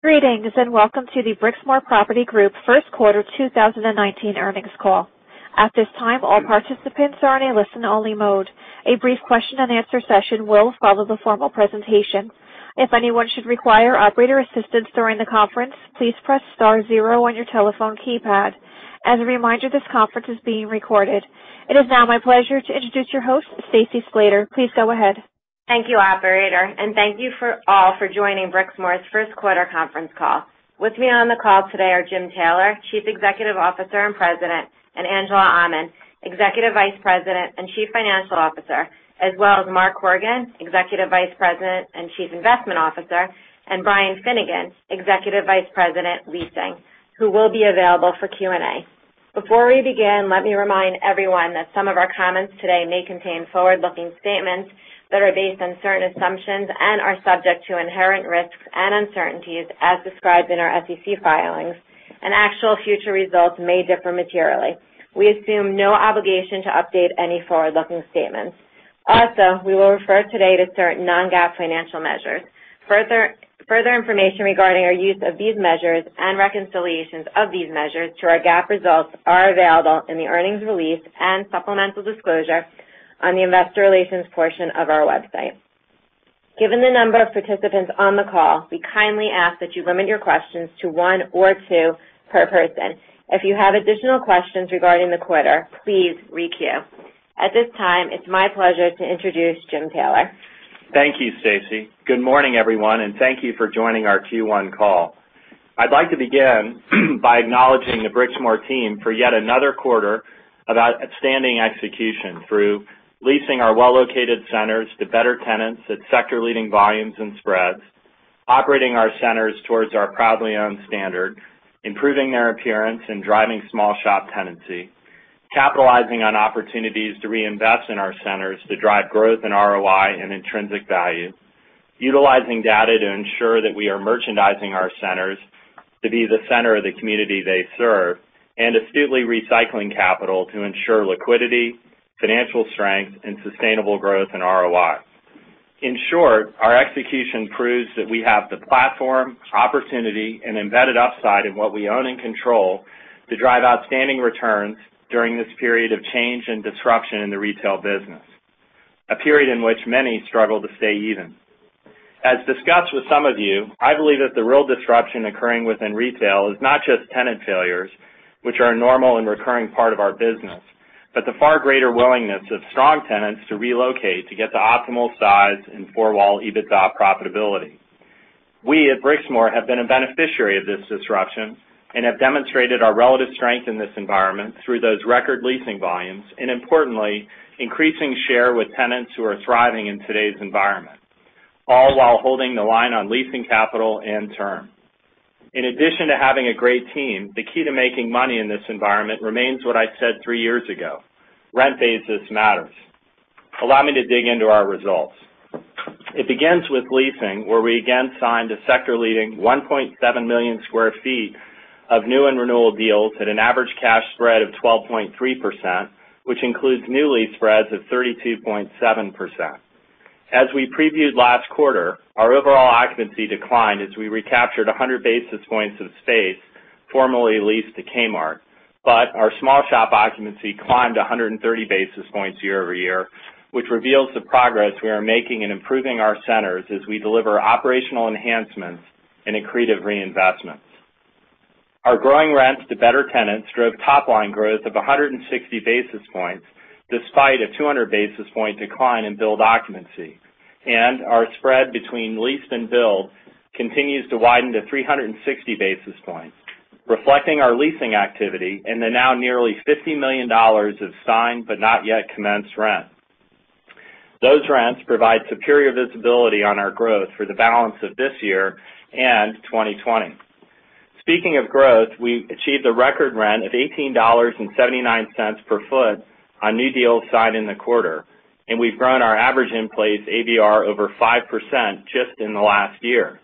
Greetings, welcome to the Brixmor Property Group First Quarter 2019 Earnings Call. At this time, all participants are in a listen-only mode. A brief question-and-answer session will follow the formal presentation. If anyone should require operator assistance during the conference, please press star zero on your telephone keypad. As a reminder, this conference is being recorded. It is now my pleasure to introduce your host, Stacy Slater. Please go ahead. Thank you, operator, thank you for all for joining Brixmor's First Quarter Conference Call. With me on the call today are Jim Taylor, Chief Executive Officer and President, Angela Aman, Executive Vice President and Chief Financial Officer, as well as Mark Horgan, Executive Vice President and Chief Investment Officer, and Brian Finnegan, Executive Vice President, Leasing, who will be available for Q&A. Before we begin, let me remind everyone that some of our comments today may contain forward-looking statements that are based on certain assumptions and are subject to inherent risks and uncertainties as described in our SEC filings, and actual future results may differ materially. We assume no obligation to update any forward-looking statements. We will refer today to certain non-GAAP financial measures. Further information regarding our use of these measures and reconciliations of these measures to our GAAP results are available in the earnings release and supplemental disclosure on the investor relations portion of our website. Given the number of participants on the call, we kindly ask that you limit your questions to one or two per person. If you have additional questions regarding the quarter, please re-queue. At this time, it's my pleasure to introduce Jim Taylor. Thank you, Stacy. Good morning, everyone, thank you for joining our Q1 call. I'd like to begin by acknowledging the Brixmor team for yet another quarter about outstanding execution through leasing our well-located centers to better tenants at sector leading volumes and spreads, operating our centers towards our proudly owned standard, improving their appearance and driving small shop tenancy, capitalizing on opportunities to reinvest in our centers to drive growth and ROI and intrinsic value, utilizing data to ensure that we are merchandising our centers to be the center of the community they serve, and astutely recycling capital to ensure liquidity, financial strength, and sustainable growth in ROI. In short, our execution proves that we have the platform, opportunity, and embedded upside in what we own and control to drive outstanding returns during this period of change and disruption in the retail business, a period in which many struggle to stay even. As discussed with some of you, I believe that the real disruption occurring within retail is not just tenant failures, which are a normal and recurring part of our business, but the far greater willingness of strong tenants to relocate to get to optimal size and four-wall EBITDA profitability. We at Brixmor have been a beneficiary of this disruption and have demonstrated our relative strength in this environment through those record leasing volumes, importantly, increasing share with tenants who are thriving in today's environment, all while holding the line on leasing capital and term. In addition to having a great team, the key to making money in this environment remains what I said three years ago, rent basis matters. Allow me to dig into our results. It begins with leasing, where we again signed a sector-leading 1.7 million sq ft of new and renewal deals at an average cash spread of 12.3%, which includes new lease spreads of 32.7%. As we previewed last quarter, our overall occupancy declined as we recaptured 100 basis points of space formerly leased to Kmart. Our small shop occupancy climbed 130 basis points year over year, which reveals the progress we are making in improving our centers as we deliver operational enhancements and accretive reinvestments. Our growing rents to better tenants drove top-line growth of 160 basis points, despite a 200 basis point decline in build occupancy. Our spread between leased and build continues to widen to 360 basis points, reflecting our leasing activity in the now nearly $50 million of signed but not yet commenced rent. Those rents provide superior visibility on our growth for the balance of this year and 2020. Speaking of growth, we achieved a record rent of $18.79 per foot on new deals signed in the quarter, and we've grown our average in place ABR over 5% just in the last year.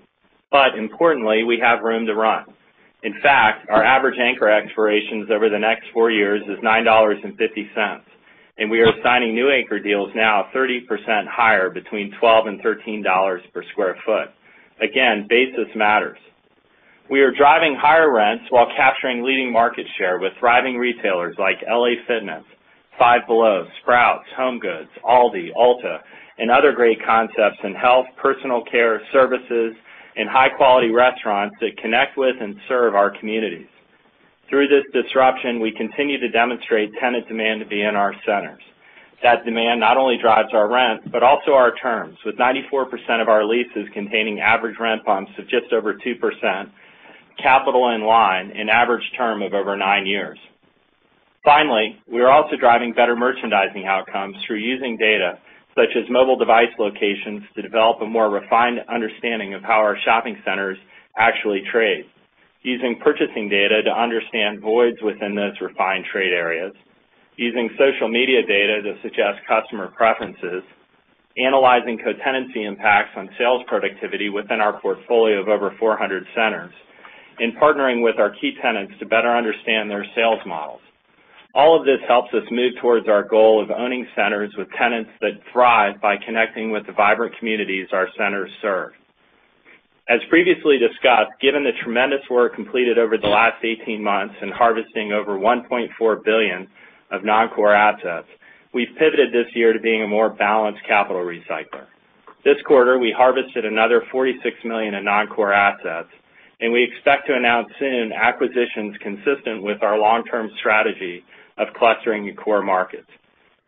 Importantly, we have room to run. In fact, our average anchor expirations over the next four years is $9.50, and we are signing new anchor deals now 30% higher between $12-$13 per sq ft. Basis matters. We are driving higher rents while capturing leading market share with thriving retailers like LA Fitness, Five Below, Sprouts, HomeGoods, ALDI, Ulta, and other great concepts in health, personal care, services, and high-quality restaurants that connect with and serve our communities. Through this disruption, we continue to demonstrate tenant demand to be in our centers. That demand not only drives our rent, but also our terms, with 94% of our leases containing average rent bumps of just over 2%, capital in line, and average term of over nine years. Finally, we are also driving better merchandising outcomes through using data, such as mobile device locations, to develop a more refined understanding of how our shopping centers actually trade, using purchasing data to understand voids within those refined trade areas, using social media data to suggest customer preferences, analyzing co-tenancy impacts on sales productivity within our portfolio of over 400 centers. In partnering with our key tenants to better understand their sales models. All of this helps us move towards our goal of owning centers with tenants that thrive by connecting with the vibrant communities our centers serve. As previously discussed, given the tremendous work completed over the last 18 months in harvesting over $1.4 billion of non-core assets, we've pivoted this year to being a more balanced capital recycler. This quarter, we harvested another $46 million in non-core assets. We expect to announce soon acquisitions consistent with our long-term strategy of clustering in core markets.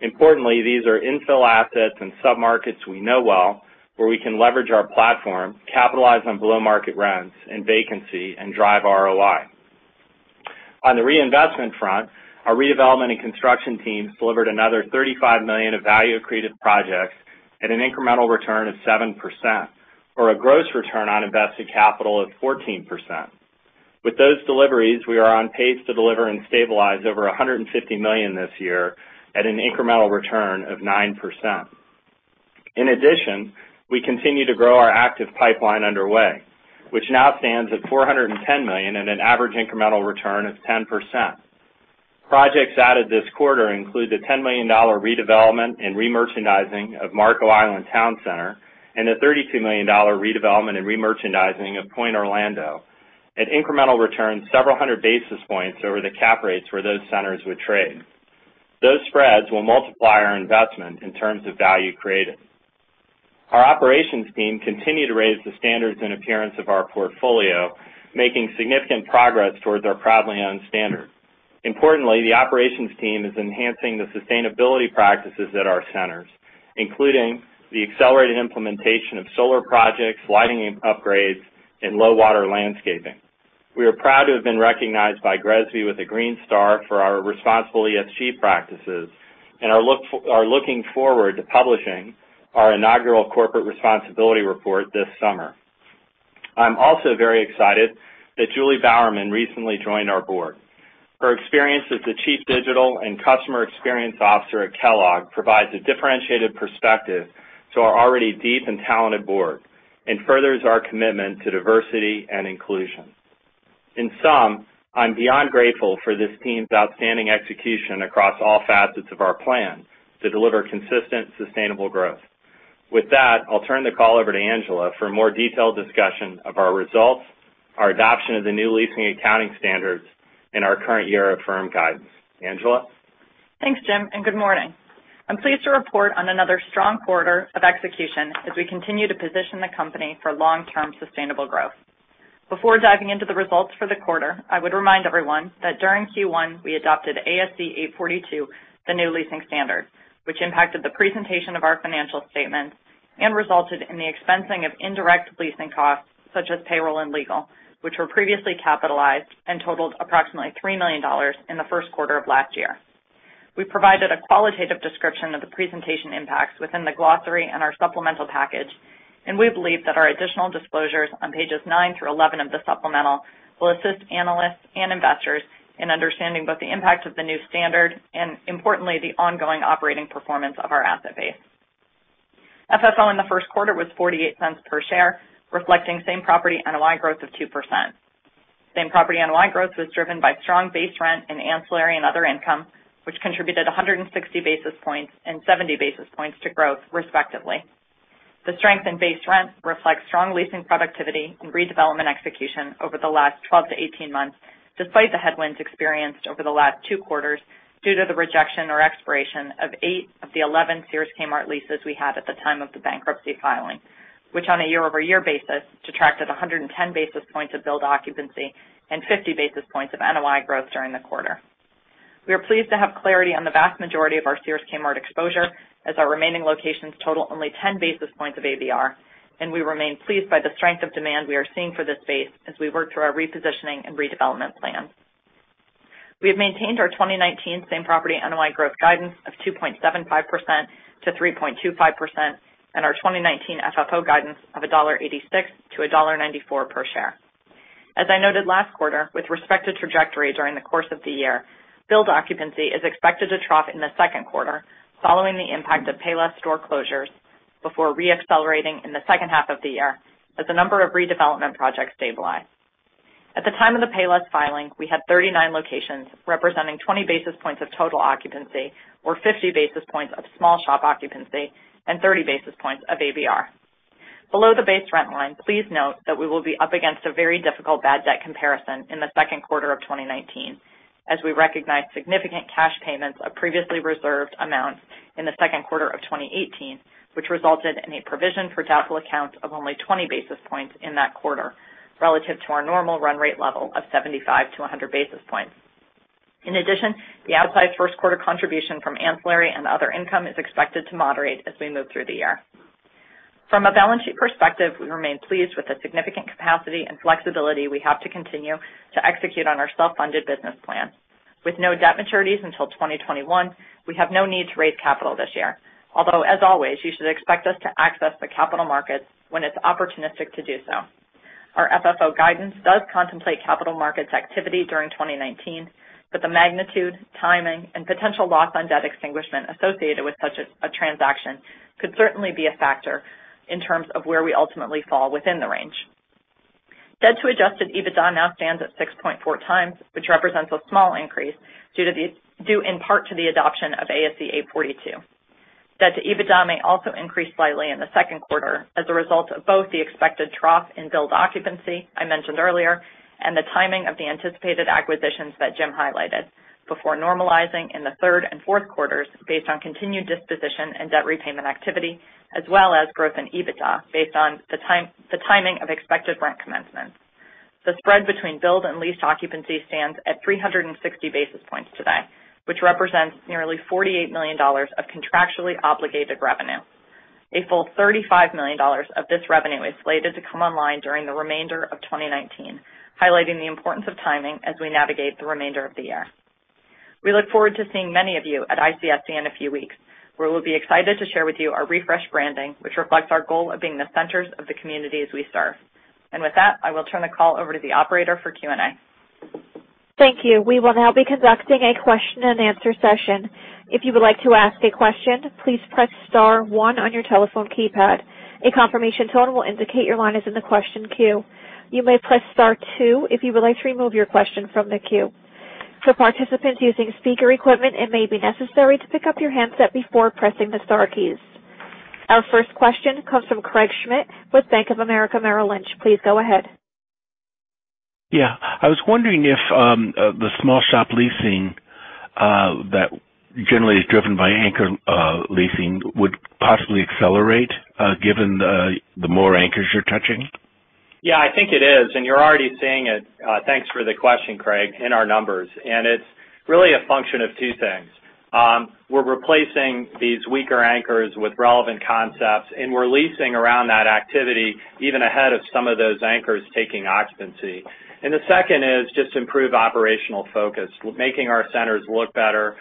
Importantly, these are infill assets and sub-markets we know well, where we can leverage our platform, capitalize on below-market rents and vacancy, and drive ROI. On the reinvestment front, our redevelopment and construction teams delivered another $35 million of value-created projects at an incremental return of 7%, or a gross return on invested capital of 14%. With those deliveries, we are on pace to deliver and stabilize over $150 million this year at an incremental return of 9%. In addition, we continue to grow our active pipeline underway, which now stands at $410 million at an average incremental return of 10%. Projects added this quarter include the $10 million redevelopment and remerchandising of Marco Island Town Center, and the $32 million redevelopment and remerchandising of Point Orlando, at incremental returns several hundred basis points over the cap rates where those centers would trade. Those spreads will multiply our investment in terms of value created. Our operations team continued to raise the standards and appearance of our portfolio, making significant progress towards our proudly owned standard. Importantly, the operations team is enhancing the sustainability practices at our centers, including the accelerated implementation of solar projects, lighting upgrades, and low-water landscaping. We are proud to have been recognized by GRESB with a green star for our responsible ESG practices and are looking forward to publishing our inaugural corporate responsibility report this summer. I'm also very excited that Julie Bowerman recently joined our board. Her experience as the Chief Digital and Customer Experience Officer at Kellogg provides a differentiated perspective to our already deep and talented board and furthers our commitment to diversity and inclusion. In sum, I'm beyond grateful for this team's outstanding execution across all facets of our plan to deliver consistent, sustainable growth. With that, I'll turn the call over to Angela for a more detailed discussion of our results, our adoption of the new leasing accounting standards, and our current year of firm guidance. Angela? Thanks, Jim, and good morning. I'm pleased to report on another strong quarter of execution as we continue to position the company for long-term sustainable growth. Before diving into the results for the quarter, I would remind everyone that during Q1, we adopted ASC 842, the new leasing standard, which impacted the presentation of our financial statements and resulted in the expensing of indirect leasing costs such as payroll and legal, which were previously capitalized and totaled approximately $3 million in the first quarter of last year. We provided a qualitative description of the presentation impacts within the glossary and our supplemental package, and we believe that our additional disclosures on pages nine through 11 of the supplemental will assist analysts and investors in understanding both the impact of the new standard and, importantly, the ongoing operating performance of our asset base. FFO in the first quarter was $0.48 per share, reflecting same property NOI growth of 2%. Same property NOI growth was driven by strong base rent and ancillary and other income, which contributed 160 basis points and 70 basis points to growth, respectively. The strength in base rents reflects strong leasing productivity and redevelopment execution over the last 12-18 months, despite the headwinds experienced over the last two quarters due to the rejection or expiration of eight of the 11 Sears Kmart leases we had at the time of the bankruptcy filing, which on a year-over-year basis, detracted 110 basis points of build occupancy and 50 basis points of NOI growth during the quarter. We are pleased to have clarity on the vast majority of our Sears Kmart exposure as our remaining locations total only 10 basis points of ABR, and we remain pleased by the strength of demand we are seeing for this space as we work through our repositioning and redevelopment plan. We have maintained our 2019 same property NOI growth guidance of 2.75%-3.25% and our 2019 FFO guidance of $1.86-$1.94 per share. As I noted last quarter, with respect to trajectory during the course of the year, build occupancy is expected to trough in the second quarter, following the impact of Payless store closures before re-accelerating in the second half of the year as a number of redevelopment projects stabilize. At the time of the Payless filing, we had 39 locations representing 20 basis points of total occupancy or 50 basis points of small shop occupancy and 30 basis points of ABR. Below the base rent line, please note that we will be up against a very difficult bad debt comparison in the second quarter of 2019, as we recognized significant cash payments of previously reserved amounts in the second quarter of 2018, which resulted in a provision for doubtful accounts of only 20 basis points in that quarter relative to our normal run rate level of 75-100 basis points. In addition, the outsized first quarter contribution from ancillary and other income is expected to moderate as we move through the year. From a balance sheet perspective, we remain pleased with the significant capacity and flexibility we have to continue to execute on our self-funded business plan. With no debt maturities until 2021, we have no need to raise capital this year. As always, you should expect us to access the capital markets when it's opportunistic to do so. Our FFO guidance does contemplate capital markets activity during 2019, but the magnitude, timing, and potential loss on debt extinguishment associated with such a transaction could certainly be a factor in terms of where we ultimately fall within the range. Debt-to-adjusted EBITDA now stands at 6.4x, which represents a small increase due in part to the adoption of ASC 842. Debt to EBITDA may also increase slightly in the second quarter as a result of both the expected trough in build occupancy I mentioned earlier and the timing of the anticipated acquisitions that Jim highlighted before normalizing in the third and fourth quarters based on continued disposition and debt repayment activity, as well as growth in EBITDA based on the timing of expected rent commencement. The spread between build and leased occupancy stands at 360 basis points today, which represents nearly $48 million of contractually obligated revenue. A full $35 million of this revenue is slated to come online during the remainder of 2019, highlighting the importance of timing as we navigate the remainder of the year. We look forward to seeing many of you at ICSC in a few weeks, where we'll be excited to share with you our refreshed branding, which reflects our goal of being the centers of the communities we serve. With that, I will turn the call over to the operator for Q&A. Thank you. We will now be conducting a question and answer session. If you would like to ask a question, please press star one on your telephone keypad. A confirmation tone will indicate your line is in the question queue. You may press star two if you would like to remove your question from the queue. For participants using speaker equipment, it may be necessary to pick up your handset before pressing the star keys. Our first question comes from Craig Schmidt with Bank of America Merrill Lynch. Please go ahead. Yeah, I was wondering if the small shop leasing that generally is driven by anchor leasing would possibly accelerate given the more anchors you're touching. Yeah, I think it is, you're already seeing it, thanks for the question, Craig, in our numbers. It's really a function of two things. We're replacing these weaker anchors with relevant concepts, and we're leasing around that activity even ahead of some of those anchors taking occupancy. The second is just improve operational focus, making our centers look better,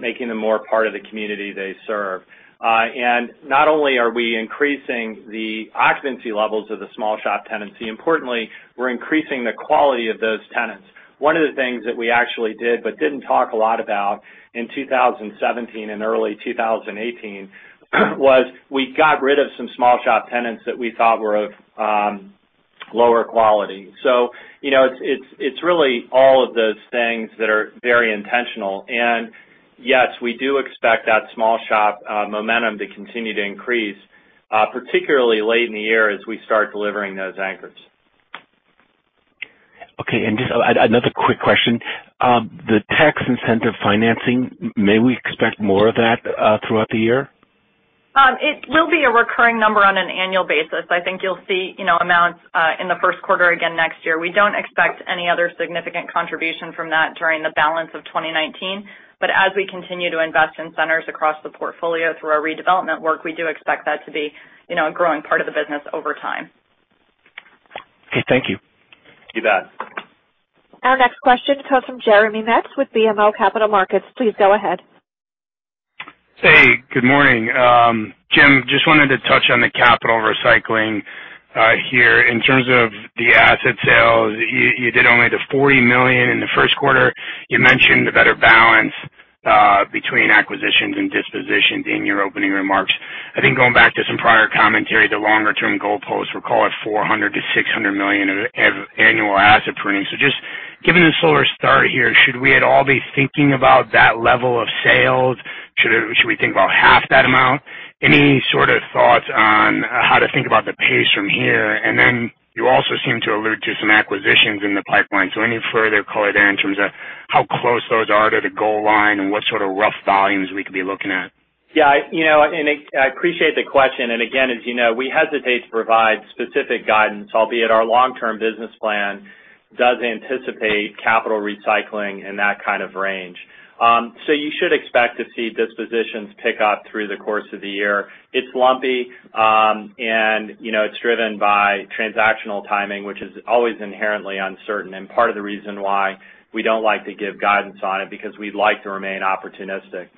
making them more a part of the community they serve. Not only are we increasing the occupancy levels of the small shop tenancy, importantly, we're increasing the quality of those tenants. One of the things that we actually did but didn't talk a lot about in 2017 and early 2018 was we got rid of some small shop tenants that we thought were of lower quality. It's really all of those things that are very intentional. Yes, we do expect that small shop momentum to continue to increase, particularly late in the year as we start delivering those anchors. Okay, just another quick question. The tax incentive financing, may we expect more of that throughout the year? It will be a recurring number on an annual basis. I think you'll see amounts in the first quarter again next year. We don't expect any other significant contribution from that during the balance of 2019. As we continue to invest in centers across the portfolio through our redevelopment work, we do expect that to be a growing part of the business over time. Okay, thank you. You bet. Our next question comes from Jeremy Metz with BMO Capital Markets. Please go ahead. Hey, good morning. Jim, just wanted to touch on the capital recycling here in terms of the asset sales. You did only the $40 million in the first quarter. You mentioned a better balance between acquisitions and dispositions in your opening remarks. I think going back to some prior commentary, the longer-term goalposts were, call it, $400 million-$600 million of annual asset pruning. Just given the slower start here, should we at all be thinking about that level of sales? Should we think about half that amount? Any sort of thoughts on how to think about the pace from here? Then you also seem to allude to some acquisitions in the pipeline. Any further color there in terms of how close those are to the goal line and what sort of rough volumes we could be looking at? Yeah. I appreciate the question, and again, as you know, we hesitate to provide specific guidance, albeit our long-term business plan does anticipate capital recycling in that kind of range. You should expect to see dispositions pick up through the course of the year. It's lumpy, and it's driven by transactional timing, which is always inherently uncertain and part of the reason why we don't like to give guidance on it, because we'd like to remain opportunistic.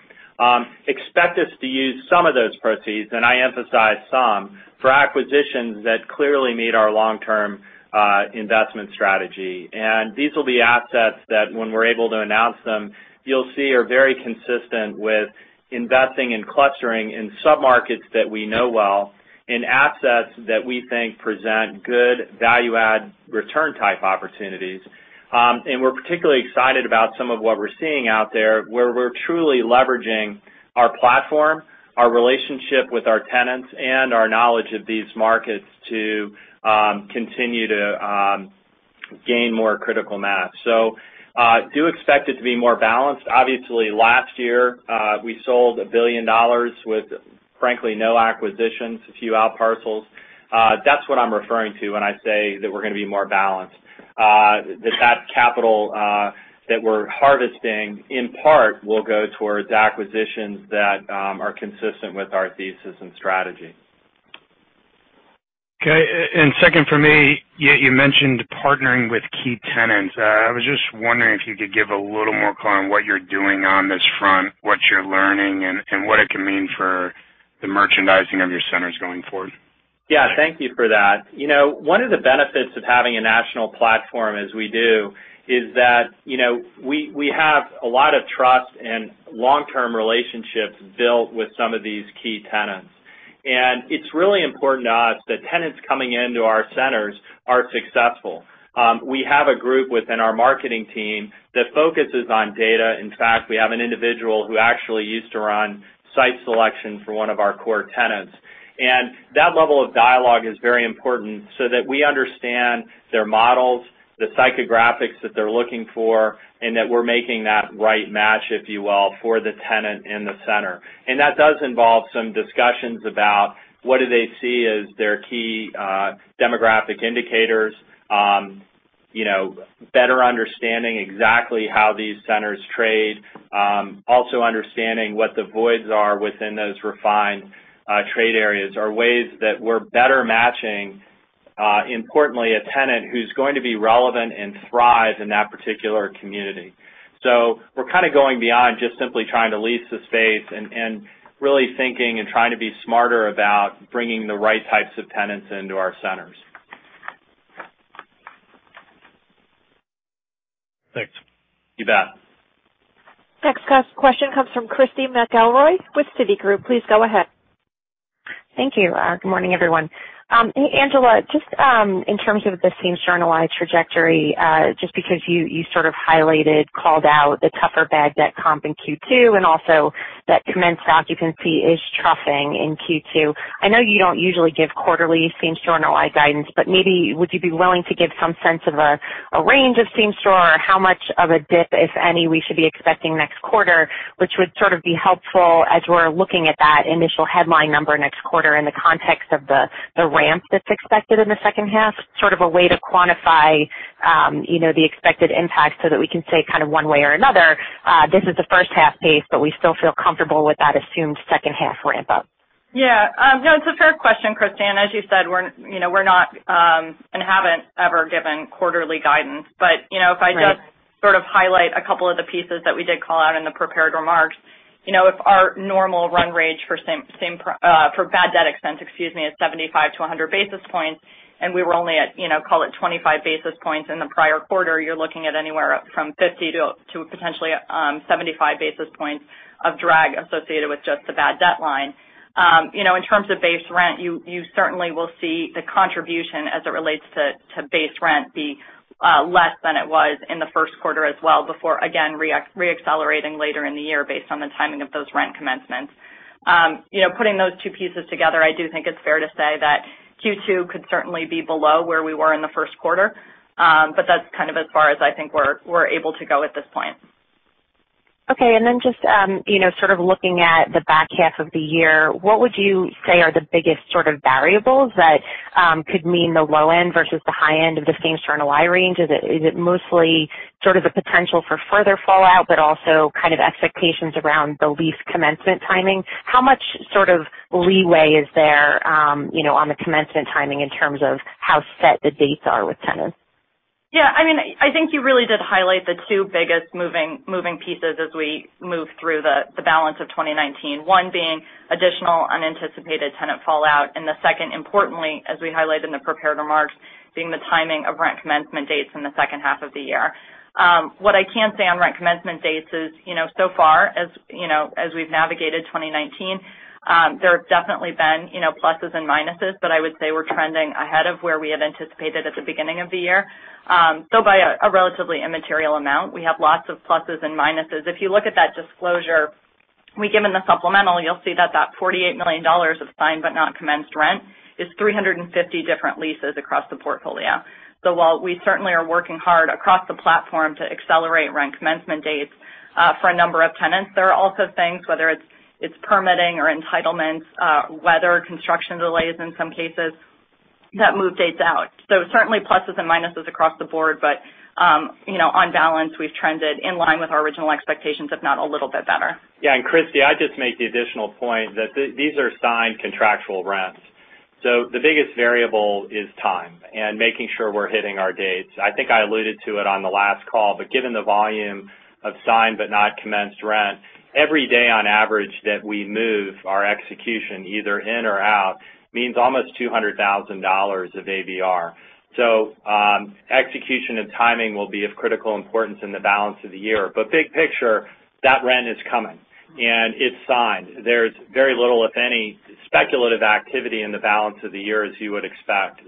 Expect us to use some of those proceeds, and I emphasize some, for acquisitions that clearly meet our long-term investment strategy. These will be assets that when we're able to announce them, you'll see are very consistent with investing and clustering in submarkets that we know well, in assets that we think present good value add return type opportunities. We're particularly excited about some of what we're seeing out there, where we're truly leveraging our platform, our relationship with our tenants, and our knowledge of these markets to continue to gain more critical mass. Do expect it to be more balanced. Obviously, last year, we sold $1 billion with, frankly, no acquisitions, a few out parcels. That's what I'm referring to when I say that we're going to be more balanced. That capital that we're harvesting in part will go towards acquisitions that are consistent with our thesis and strategy. Okay. Second for me, you mentioned partnering with key tenants. I was just wondering if you could give a little more color on what you're doing on this front, what you're learning, and what it can mean for the merchandising of your centers going forward. Yeah, thank you for that. One of the benefits of having a national platform as we do is that we have a lot of trust and long-term relationships built with some of these key tenants. It's really important to us that tenants coming into our centers are successful. We have a group within our marketing team that focuses on data. In fact, we have an individual who actually used to run site selection for one of our core tenants. That level of dialogue is very important so that we understand their models, the psychographics that they're looking for, and that we're making that right match, if you will, for the tenant in the center. That does involve some discussions about what do they see as their key demographic indicators, better understanding exactly how these centers trade, also understanding what the voids are within those refined trade areas are ways that we're better matching, importantly, a tenant who's going to be relevant and thrive in that particular community. We're kind of going beyond just simply trying to lease the space and really thinking and trying to be smarter about bringing the right types of tenants into our centers. Thanks. You bet. Next question comes from Christy McElroy with Citigroup. Please go ahead. Thank you. Good morning, everyone. Hey, Angela, just in terms of the same-store NOI trajectory, just because you sort of highlighted, called out the tougher bad debt comp in Q2, and also that commenced occupancy is troughing in Q2. I know you don't usually give quarterly same-store NOI guidance, but maybe would you be willing to give some sense of a range of same-store, or how much of a dip, if any, we should be expecting next quarter, which would sort of be helpful as we're looking at that initial headline number next quarter in the context of the ramp that's expected in the second half, sort of a way to quantify the expected impact so that we can say kind of one way or another, this is the first-half pace, but we still feel comfortable with that assumed second-half ramp-up. Yeah. No, it's a fair question, Christy, and as you said, we're not, and haven't ever given quarterly guidance. Right. If I just sort of highlight a couple of the pieces that we did call out in the prepared remarks, if our normal run rate for bad debt expense, excuse me, is 75-100 basis points, and we were only at, call it 25 basis points in the prior quarter, you're looking at anywhere up from 50-75 basis points of drag associated with just the bad debt line. In terms of base rent, you certainly will see the contribution as it relates to base rent be less than it was in the first quarter as well before, again, re-accelerating later in the year based on the timing of those rent commencements. Putting those two pieces together, I do think it's fair to say that Q2 could certainly be below where we were in the first quarter. That's kind of as far as I think we're able to go at this point. Okay. Just sort of looking at the back half of the year, what would you say are the biggest sort of variables that could mean the low end versus the high end of the same-store NOI range? Is it mostly sort of the potential for further fallout, but also kind of expectations around the lease commencement timing? How much sort of leeway is there on the commencement timing in terms of how set the dates are with tenants? Yeah, I think you really did highlight the two biggest moving pieces as we move through the balance of 2019. One being additional unanticipated tenant fallout, and the second, importantly, as we highlighted in the prepared remarks, being the timing of rent commencement dates in the second half of the year. What I can say on rent commencement dates is, so far, as we've navigated 2019, there have definitely been pluses and minuses, but I would say we're trending ahead of where we had anticipated at the beginning of the year, though by a relatively immaterial amount. We have lots of pluses and minuses. If you look at that disclosure we give in the supplemental, you'll see that that $48 million of signed but not commenced rent is 350 different leases across the portfolio. While we certainly are working hard across the platform to accelerate rent commencement dates for a number of tenants, there are also things, whether it's permitting or entitlements, weather, construction delays in some cases, that move dates out. Certainly pluses and minuses across the board, but on balance, we've trended in line with our original expectations, if not a little bit better. Yeah. Christy, I'd just make the additional point that these are signed contractual rents. The biggest variable is time and making sure we're hitting our dates. I think I alluded to it on the last call, but given the volume of signed but not commenced rent, every day on average that we move our execution either in or out means almost $200,000 of ABR. Execution and timing will be of critical importance in the balance of the year. Big picture, that rent is coming, and it's signed. There's very little, if any, speculative activity in the balance of the year, as you would expect.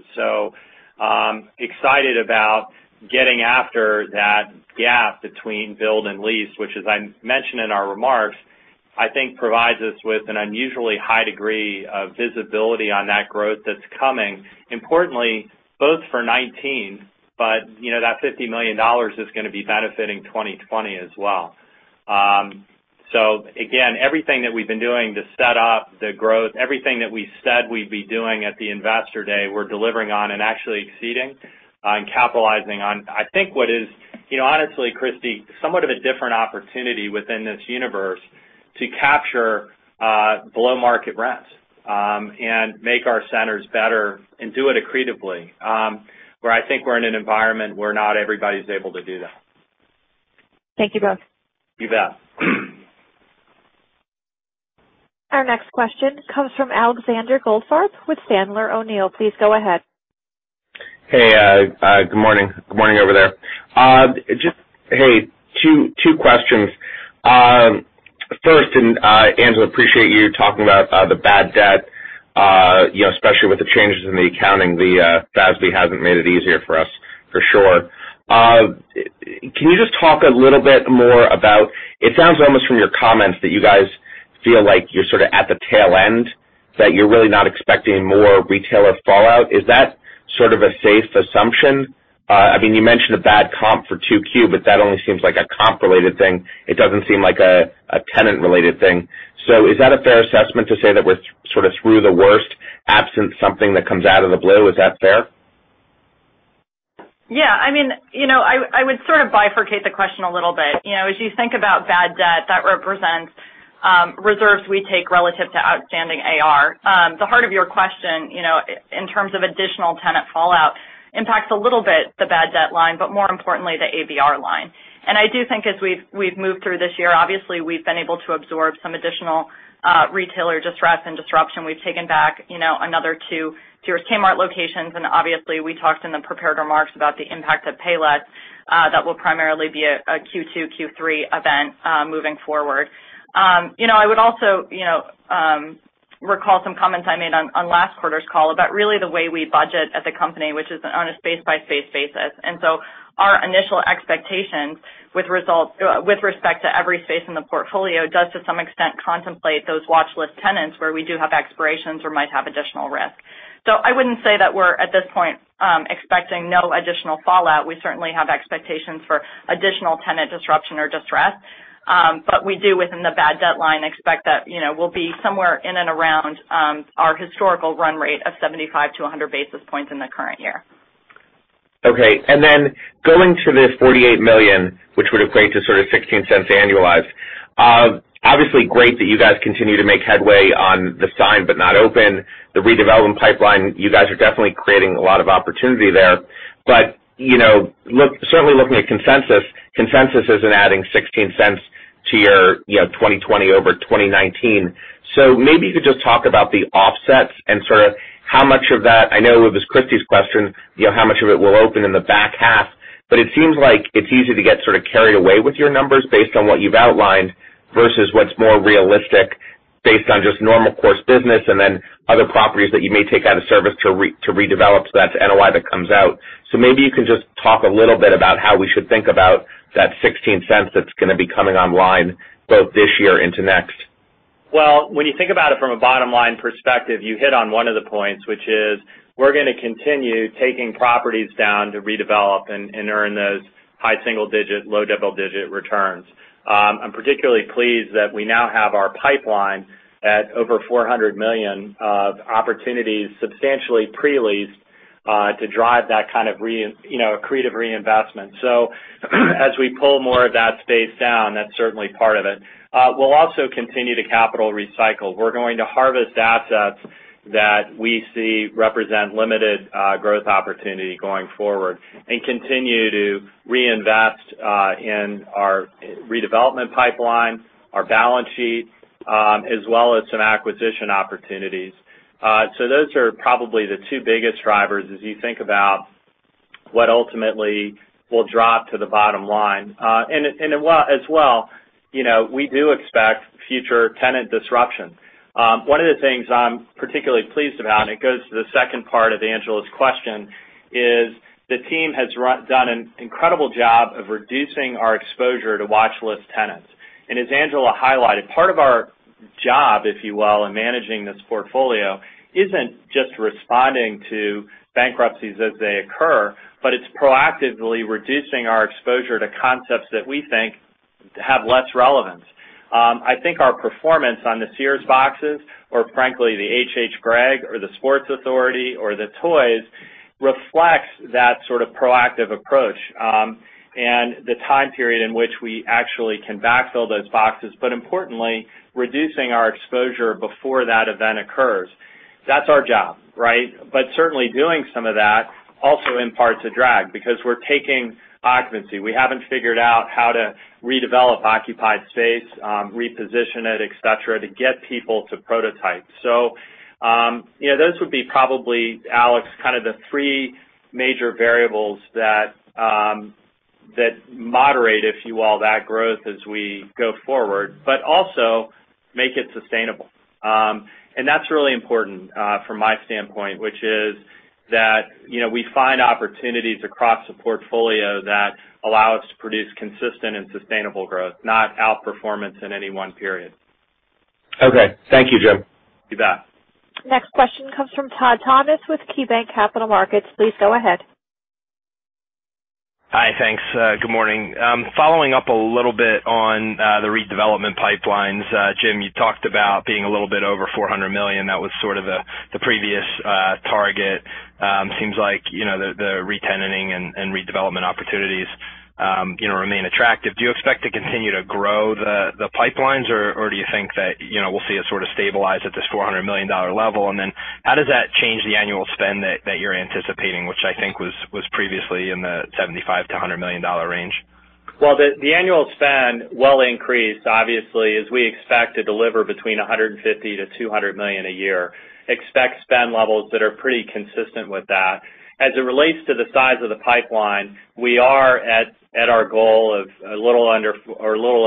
Excited about getting after that gap between build and lease, which as I mentioned in our remarks, I think provides us with an unusually high degree of visibility on that growth that's coming, importantly, both for 2019, but that $50 million is going to be benefiting 2020 as well. Again, everything that we've been doing to set up the growth, everything that we said we'd be doing at the investor day, we're delivering on and actually exceeding and capitalizing on. I think what is, honestly, Christy, somewhat of a different opportunity within this universe to capture below-market rents, and make our centers better and do it accretively, where I think we're in an environment where not everybody's able to do that. Thank you, both. You bet. Our next question comes from Alexander Goldfarb with Sandler O'Neill. Please go ahead. Hey, good morning. Good morning over there. Hey, two questions. First, Angela, appreciate you talking about the bad debt, especially with the changes in the accounting, the GRESB hasn't made it easier for us for sure. Can you just talk a little bit more about, it sounds almost from your comments that you guys feel like you're sort of at the tail end, that you're really not expecting more retailer fallout. Is that sort of a safe assumption? You mentioned a bad comp for 2Q, that only seems like a comp-related thing. It doesn't seem like a tenant-related thing. Is that a fair assessment to say that we're sort of through the worst, absent something that comes out of the blue? Is that fair? Yeah. I would sort of bifurcate the question a little bit. As you think about bad debt, that represents reserves we take relative to outstanding AR. The heart of your question, in terms of additional tenant fallout, impacts a little bit the bad debt line, but more importantly, the ABR line. I do think as we've moved through this year, obviously, we've been able to absorb some additional retailer distress and disruption. We've taken back another two Sears Kmart locations, obviously, we talked in the prepared remarks about the impact of Payless. That will primarily be a Q2, Q3 event, moving forward. I would also recall some comments I made on last quarter's call about really the way we budget as a company, which is on a space-by-space basis. Our initial expectations with respect to every space in the portfolio does, to some extent, contemplate those watchlist tenants where we do have expirations or might have additional risk. I wouldn't say that we're, at this point, expecting no additional fallout. We certainly have expectations for additional tenant disruption or distress. We do, within the bad debt line, expect that we'll be somewhere in and around our historical run rate of 75-100 basis points in the current year. Okay, going to the $48 million, which would equate to sort of $0.16 annualized. Obviously, great that you guys continue to make headway on the signed, but not open the redevelopment pipeline. You guys are definitely creating a lot of opportunity there. Certainly looking at consensus isn't adding $0.16 to your 2020 over 2019. Maybe you could just talk about the offsets and sort of how much of that, I know it was Christy's question, how much of it will open in the back half, but it seems like it's easy to get sort of carried away with your numbers based on what you've outlined versus what's more realistic based on just normal course business and then other properties that you may take out of service to redevelop, that's NOI that comes out. Maybe you can just talk a little bit about how we should think about that $0.16 that's going to be coming online both this year into next. When you think about it from a bottom-line perspective, you hit on one of the points, which is we're going to continue taking properties down to redevelop and earn those high single digit, low double digit returns. I'm particularly pleased that we now have our pipeline at over $400 million of opportunities substantially pre-leased, to drive that kind of creative reinvestment. As we pull more of that space down, that's certainly part of it. We'll also continue to capital recycle. We're going to harvest assets that we see represent limited growth opportunity going forward and continue to reinvest in our redevelopment pipeline, our balance sheet, as well as some acquisition opportunities. Those are probably the two biggest drivers as you think about what ultimately will drop to the bottom line. As well, we do expect future tenant disruption. One of the things I'm particularly pleased about, and it goes to the second part of Angela's question, is the team has done an incredible job of reducing our exposure to watchlist tenants. As Angela highlighted, part of our job, if you will, in managing this portfolio isn't just responding to bankruptcies as they occur, but it's proactively reducing our exposure to concepts that we think have less relevance. I think our performance on the Sears boxes, or frankly, the H.H. Gregg or the Sports Authority or the Toys, reflects that sort of proactive approach, and the time period in which we actually can backfill those boxes, but importantly, reducing our exposure before that event occurs. That's our job, right? Certainly doing some of that also imparts a drag because we're taking occupancy. We haven't figured out how to redevelop occupied space, reposition it, et cetera, to get people to prototype. Those would be probably, Alex, kind of the three major variables that moderate, if you will, that growth as we go forward, but also make it sustainable. That's really important, from my standpoint, which is that we find opportunities across the portfolio that allow us to produce consistent and sustainable growth, not outperformance in any one period. Okay. Thank you, Jim. You bet. Next question comes from Todd Thomas with KeyBanc Capital Markets. Please go ahead. Hi. Thanks. Good morning. Following up a little bit on the redevelopment pipelines, Jim, you talked about being a little bit over $400 million. That was sort of the previous target. Seems like the re-tenanting and redevelopment opportunities remain attractive. Do you expect to continue to grow the pipelines, or do you think that we'll see it sort of stabilize at this $400 million level? How does that change the annual spend that you're anticipating, which I think was previously in the $75 million-$100 million range? The annual spend will increase, obviously, as we expect to deliver between $150 million-$200 million a year. Expect spend levels that are pretty consistent with that. As it relates to the size of the pipeline, we are at our goal of a little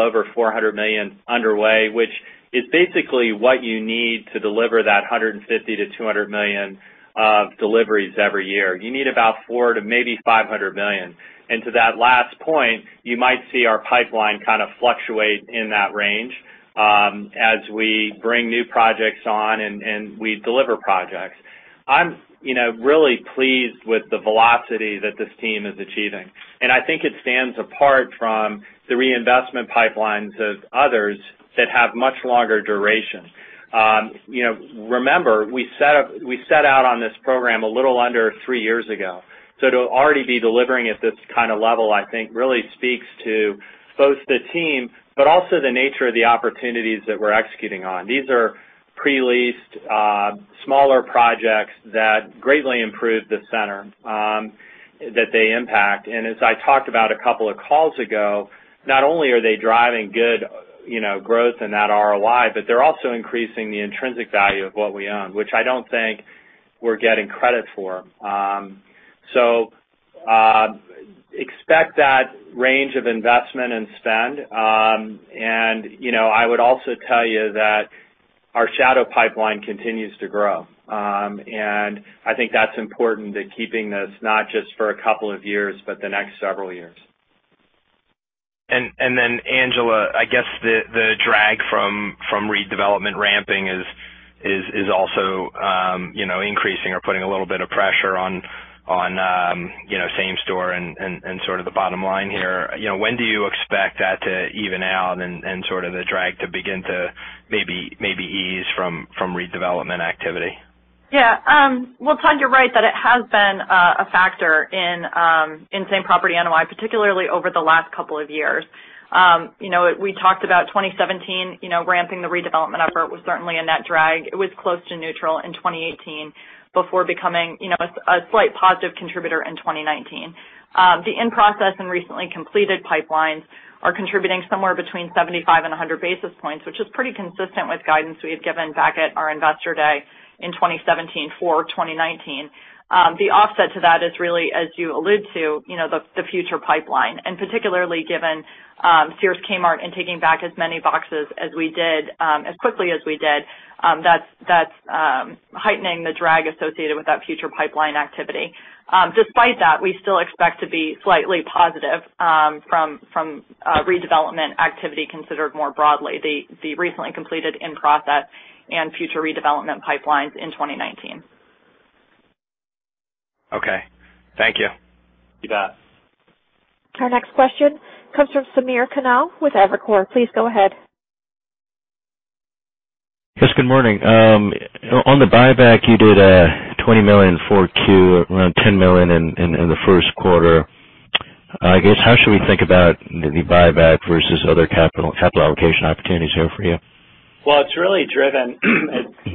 over $400 million underway, which is basically what you need to deliver that $150 million-$200 million of deliveries every year. You need about $400 million-$500 million. To that last point, you might see our pipeline kind of fluctuate in that range as we bring new projects on and we deliver projects. I'm really pleased with the velocity that this team is achieving, and I think it stands apart from the reinvestment pipelines of others that have much longer duration. Remember, we set out on this program a little under three years ago, to already be delivering at this kind of level, I think really speaks to both the team, but also the nature of the opportunities that we're executing on. These are pre-leased, smaller projects that greatly improve the center that they impact. As I talked about a couple of calls ago, not only are they driving good growth in that ROI, but they're also increasing the intrinsic value of what we own, which I don't think we're getting credit for. Expect that range of investment and spend. I would also tell you that our shadow pipeline continues to grow. I think that's important to keeping this not just for a couple of years, but the next several years. Angela, I guess the drag from redevelopment ramping is also increasing or putting a little bit of pressure on same store and sort of the bottom line here. When do you expect that to even out and sort of the drag to begin to maybe ease from redevelopment activity? Todd, you're right that it has been a factor in same-property NOI, particularly over the last couple of years. We talked about 2017, ramping the redevelopment effort was certainly a net drag. It was close to neutral in 2018 before becoming a slight positive contributor in 2019. The in-process and recently completed pipelines are contributing somewhere between 75 and 100 basis points, which is pretty consistent with guidance we had given back at our investor day in 2017 for 2019. The offset to that is really, as you allude to, the future pipeline, particularly given Sears Kmart and taking back as many boxes as we did, as quickly as we did, that's heightening the drag associated with that future pipeline activity. Despite that, we still expect to be slightly positive from a redevelopment activity considered more broadly, the recently completed in-process and future redevelopment pipelines in 2019. Okay. Thank you. You bet. Our next question comes from Samir Khanal with Evercore. Please go ahead. Yes, good morning. On the buyback, you did a $20 million for quarter, around $10 million in the first quarter. I guess, how should we think about the buyback versus other capital allocation opportunities here for you? Well, it's really driven,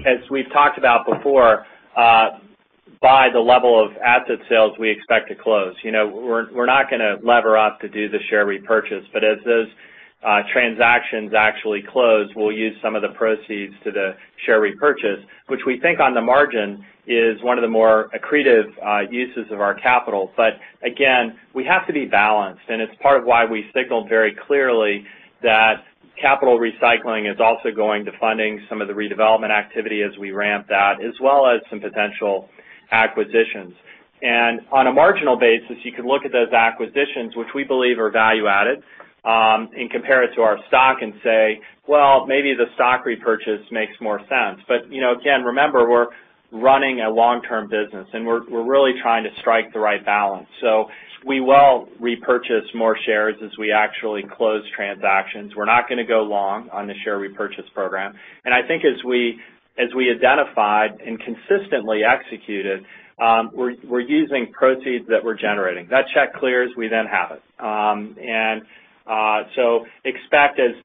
as we've talked about before, by the level of asset sales we expect to close. We're not going to lever up to do the share repurchase, but as those transactions actually close, we'll use some of the proceeds to the share repurchase, which we think on the margin is one of the more accretive uses of our capital. Again, we have to be balanced, and it's part of why we signaled very clearly that capital recycling is also going to funding some of the redevelopment activity as we ramp that, as well as some potential acquisitions. On a marginal basis, you could look at those acquisitions, which we believe are value added, and compare it to our stock and say, "Well, maybe the stock repurchase makes more sense." Again, remember, we're running a long-term business, and we're really trying to strike the right balance. We will repurchase more shares as we actually close transactions. We're not going to go long on the share repurchase program. I think as we identified and consistently executed, we're using proceeds that we're generating. That check clears, we then have it. Expect as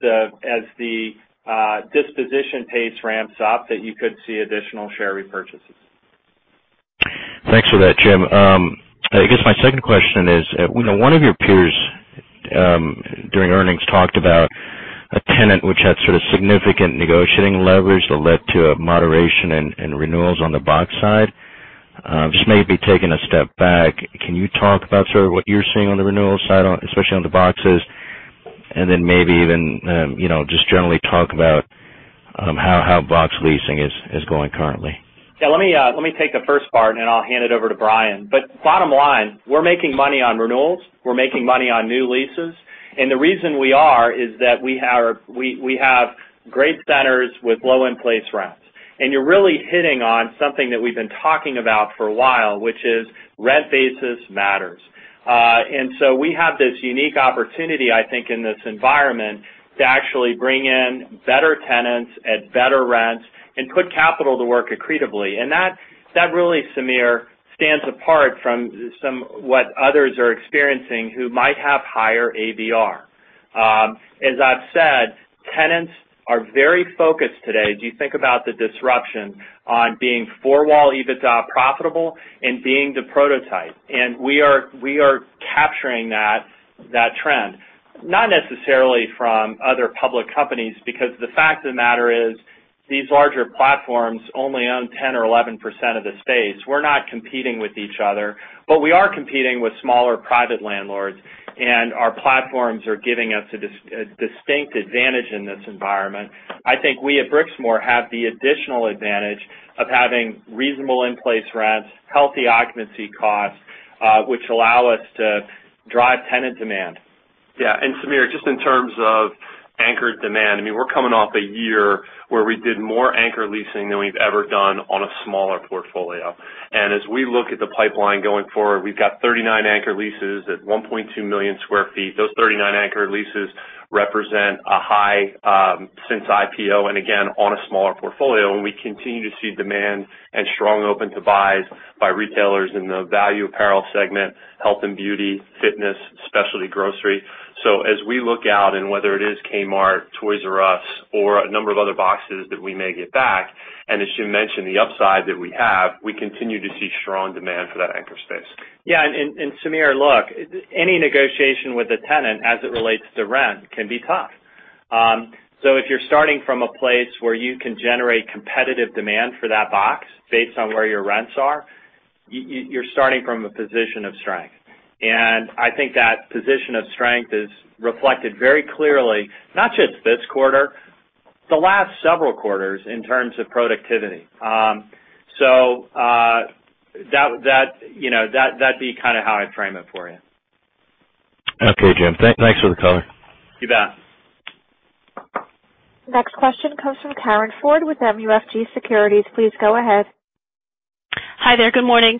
the disposition pace ramps up, that you could see additional share repurchases. Thanks for that, Jim. I guess my second question is, one of your peers, during earnings, talked about a tenant which had sort of significant negotiating leverage that led to a moderation in renewals on the box side. Just maybe taking a step back, can you talk about sort of what you're seeing on the renewal side, especially on the boxes, and then maybe even just generally talk about how box leasing is going currently? Yeah, let me take the first part, then I'll hand it over to Brian. Bottom line, we're making money on renewals, we're making money on new leases, and the reason we are is that we have great centers with low in-place rents. You're really hitting on something that we've been talking about for a while, which is rent basis matters. We have this unique opportunity, I think, in this environment to actually bring in better tenants at better rents and put capital to work accretively. That really, Samir, stands apart from what others are experiencing who might have higher ABR. As I've said, tenants are very focused today, as you think about the disruption on being four-wall EBITDA profitable and being the prototype. We are capturing that trend, not necessarily from other public companies, because the fact of the matter is these larger platforms only own 10% or 11% of the space. We're not competing with each other, but we are competing with smaller private landlords, and our platforms are giving us a distinct advantage in this environment. I think we at Brixmor have the additional advantage of having reasonable in-place rents, healthy occupancy costs, which allow us to drive tenant demand. Yeah. Samir, just in terms of anchored demand, we're coming off a year where we did more anchor leasing than we've ever done on a smaller portfolio. As we look at the pipeline going forward, we've got 39 anchor leases at 1.2 million sq ft. Those 39 anchor leases represent a high since IPO, again, on a smaller portfolio. We continue to see demand and strong open to buys by retailers in the value apparel segment, health and beauty, fitness, specialty grocery. As we look out and whether it is Kmart, Toys "R" Us, or a number of other boxes that we may get back, as Jim mentioned, the upside that we have, we continue to see strong demand for that anchor space. Yeah. Samir, look, any negotiation with a tenant as it relates to rent can be tough. If you're starting from a place where you can generate competitive demand for that box based on where your rents are, you're starting from a position of strength. I think that position of strength is reflected very clearly, not just this quarter, the last several quarters in terms of productivity. That'd be how I'd frame it for you. Okay, Jim. Thanks for the color. You bet. Next question comes from Karin Ford with MUFG Securities. Please go ahead. Hi there. Good morning.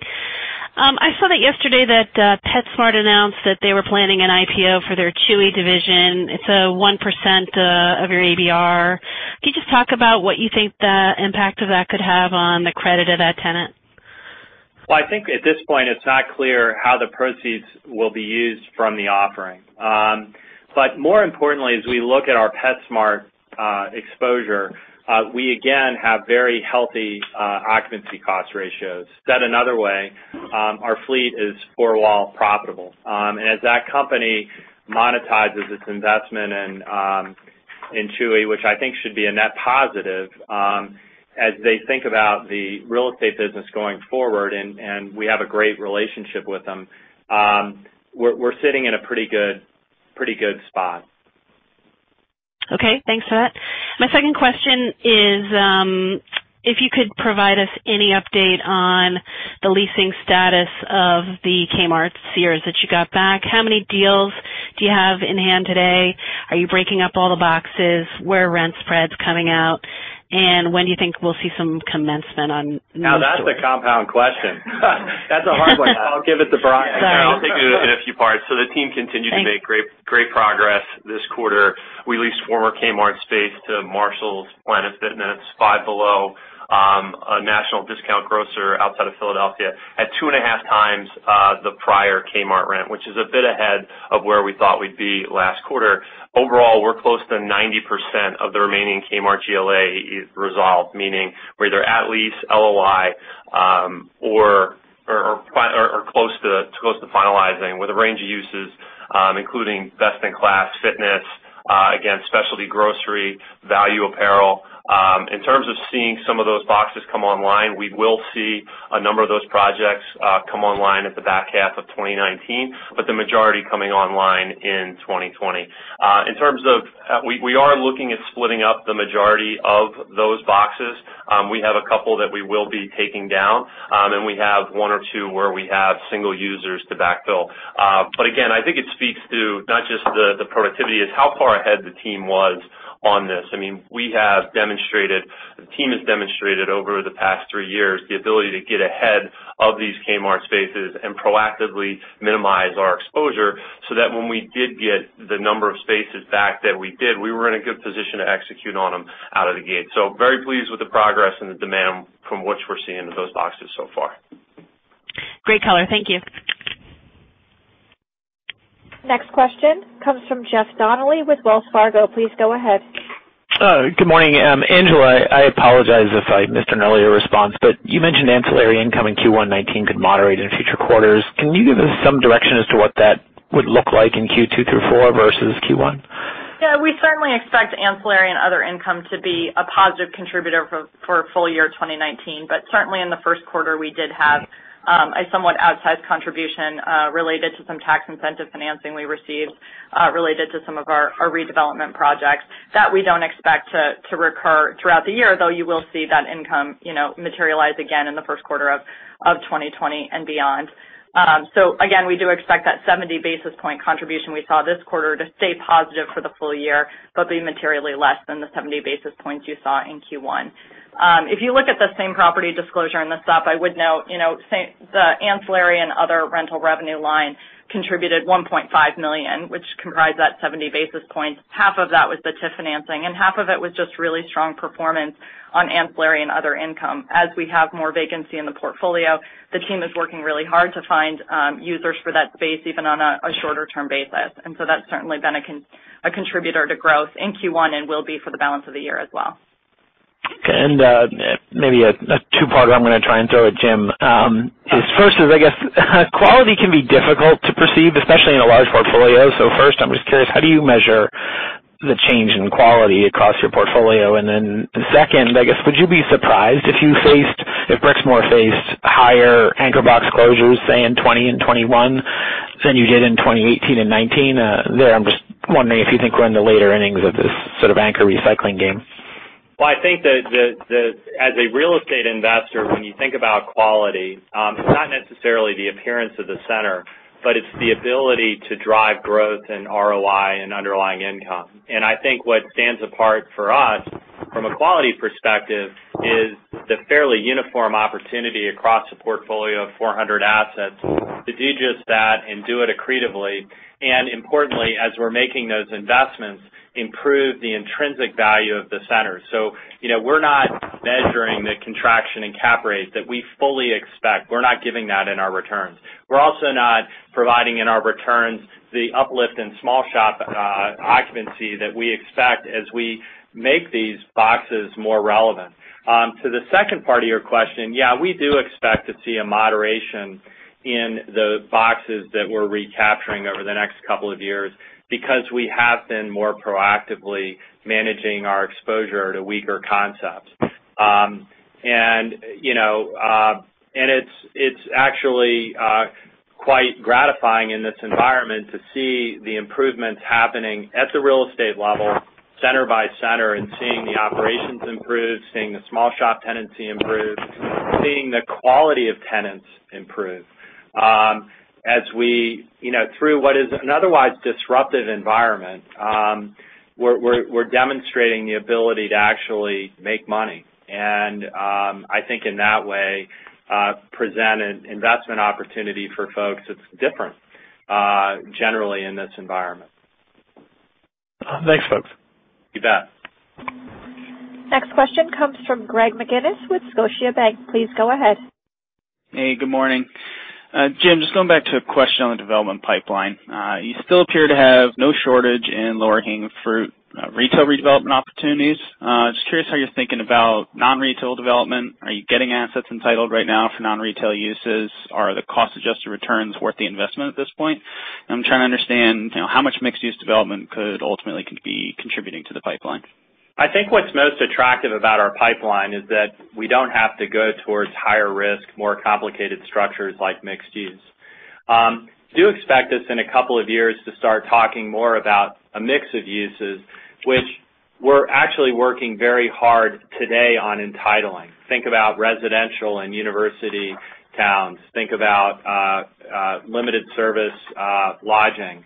I saw that yesterday that PetSmart announced that they were planning an IPO for their Chewy division. It's 1% of your ABR. Can you just talk about what you think the impact of that could have on the credit of that tenant? Well, I think at this point, it's not clear how the proceeds will be used from the offering. More importantly, as we look at our PetSmart exposure, we again have very healthy occupancy cost ratios. Said another way, our fleet is four-wall profitable. As that company monetizes its investment in Chewy, which I think should be a net positive, as they think about the real estate business going forward, and we have a great relationship with them, we're sitting in a pretty good spot. Okay. Thanks for that. My second question is if you could provide us any update on the leasing status of the Kmart, Sears that you got back. How many deals do you have in hand today? Are you breaking up all the boxes? Where are rent spreads coming out? When do you think we'll see some commencement on those stores? That's a compound question. That's a hard one. I'll give it to Brian. I'll take it in a few parts. Thanks. So the team continue to make great progress this quarter. We leased former Kmart space to Marshalls, Planet Fitness, Five Below, a national discount grocer outside of Philadelphia at 2.5 times the prior Kmart rent, which is a bit ahead of where we thought we'd be last quarter. Overall, we're close to 90% of the remaining Kmart GLA resolved, meaning we're either at lease, LOI, or close to finalizing with a range of uses, including best-in-class fitness, again, specialty grocery, value apparel. In terms of seeing some of those boxes come online, we will see a number of those projects come online at the back half of 2019, but the majority coming online in 2020. We are looking at splitting up the majority of those boxes. We have a couple that we will be taking down, and we have one or two where we have single users to backfill. Again, I think it speaks to not just the productivity, is how far ahead the team was on this. The team has demonstrated over the past three years the ability to get ahead of these Kmart spaces and proactively minimize our exposure, so that when we did get the number of spaces back that we did, we were in a good position to execute on them out of the gate. Very pleased with the progress and the demand from which we're seeing in those boxes so far. Great color. Thank you. Next question comes from Jeff Donnelly with Wells Fargo. Please go ahead. Good morning. Angela, I apologize if I missed an earlier response, you mentioned ancillary income in Q1 2019 could moderate in future quarters. Can you give us some direction as to what that would look like in Q2 through Q4 versus Q1? Yeah, we certainly expect ancillary and other income to be a positive contributor for full year 2019. Certainly in the first quarter, we did have a somewhat outsized contribution related to some tax incentive financing we received related to some of our redevelopment projects. That we don't expect to recur throughout the year, though you will see that income materialize again in the first quarter of 2020 and beyond. Again, we do expect that 70 basis point contribution we saw this quarter to stay positive for the full year, but be materially less than the 70 basis points you saw in Q1. If you look at the same property disclosure in the sup, I would note, the ancillary and other rental revenue line contributed $1.5 million, which comprise that 70 basis points. Half of that was the TIF financing, and half of it was just really strong performance on ancillary and other income. As we have more vacancy in the portfolio, the team is working really hard to find users for that space, even on a shorter-term basis. That's certainly been a contributor to growth in Q1 and will be for the balance of the year as well. Maybe a two-parter I'm going to try and throw at Jim. First is, I guess, quality can be difficult to perceive, especially in a large portfolio. First, I'm just curious, how do you measure the change in quality across your portfolio? Second, I guess, would you be surprised if Brixmor faced higher anchor box closures, say, in 2020 and 2021 than you did in 2018 and 2019? There, I'm just wondering if you think we're in the later innings of this sort of anchor recycling game. Well, I think that as a real estate investor, when you think about quality, it's not necessarily the appearance of the center, but it's the ability to drive growth and ROI and underlying income. I think what stands apart for us from a quality perspective is the fairly uniform opportunity across a portfolio of 400 assets to do just that and do it accretively. Importantly, as we're making those investments, improve the intrinsic value of the center. We're not measuring the contraction in cap rates that we fully expect. We're not giving that in our returns. We're also not providing in our returns the uplift in small shop occupancy that we expect as we make these boxes more relevant. To the second part of your question, yeah, we do expect to see a moderation in the boxes that we're recapturing over the next couple of years because we have been more proactively managing our exposure to weaker concepts. It's actually quite gratifying in this environment to see the improvements happening at the real estate level, center by center, and seeing the operations improve, seeing the small shop tenancy improve, seeing the quality of tenants improve. Through what is an otherwise disruptive environment, we're demonstrating the ability to actually make money. I think in that way, present an investment opportunity for folks that's different, generally in this environment. Thanks, folks. You bet. Next question comes from Greg McGinniss with Scotiabank. Please go ahead. Good morning. Jim, just going back to a question on the development pipeline. You still appear to have no shortage in lower hanging fruit retail redevelopment opportunities. Curious how you're thinking about non-retail development. Are you getting assets entitled right now for non-retail uses? Are the cost-adjusted returns worth the investment at this point? I'm trying to understand how much mixed-use development could ultimately be contributing to the pipeline. I think what's most attractive about our pipeline is that we don't have to go towards higher risk, more complicated structures like mixed use. Do expect us in a couple of years to start talking more about a mix of uses, which we're actually working very hard today on entitling. Think about residential and university towns. Think about limited service lodging.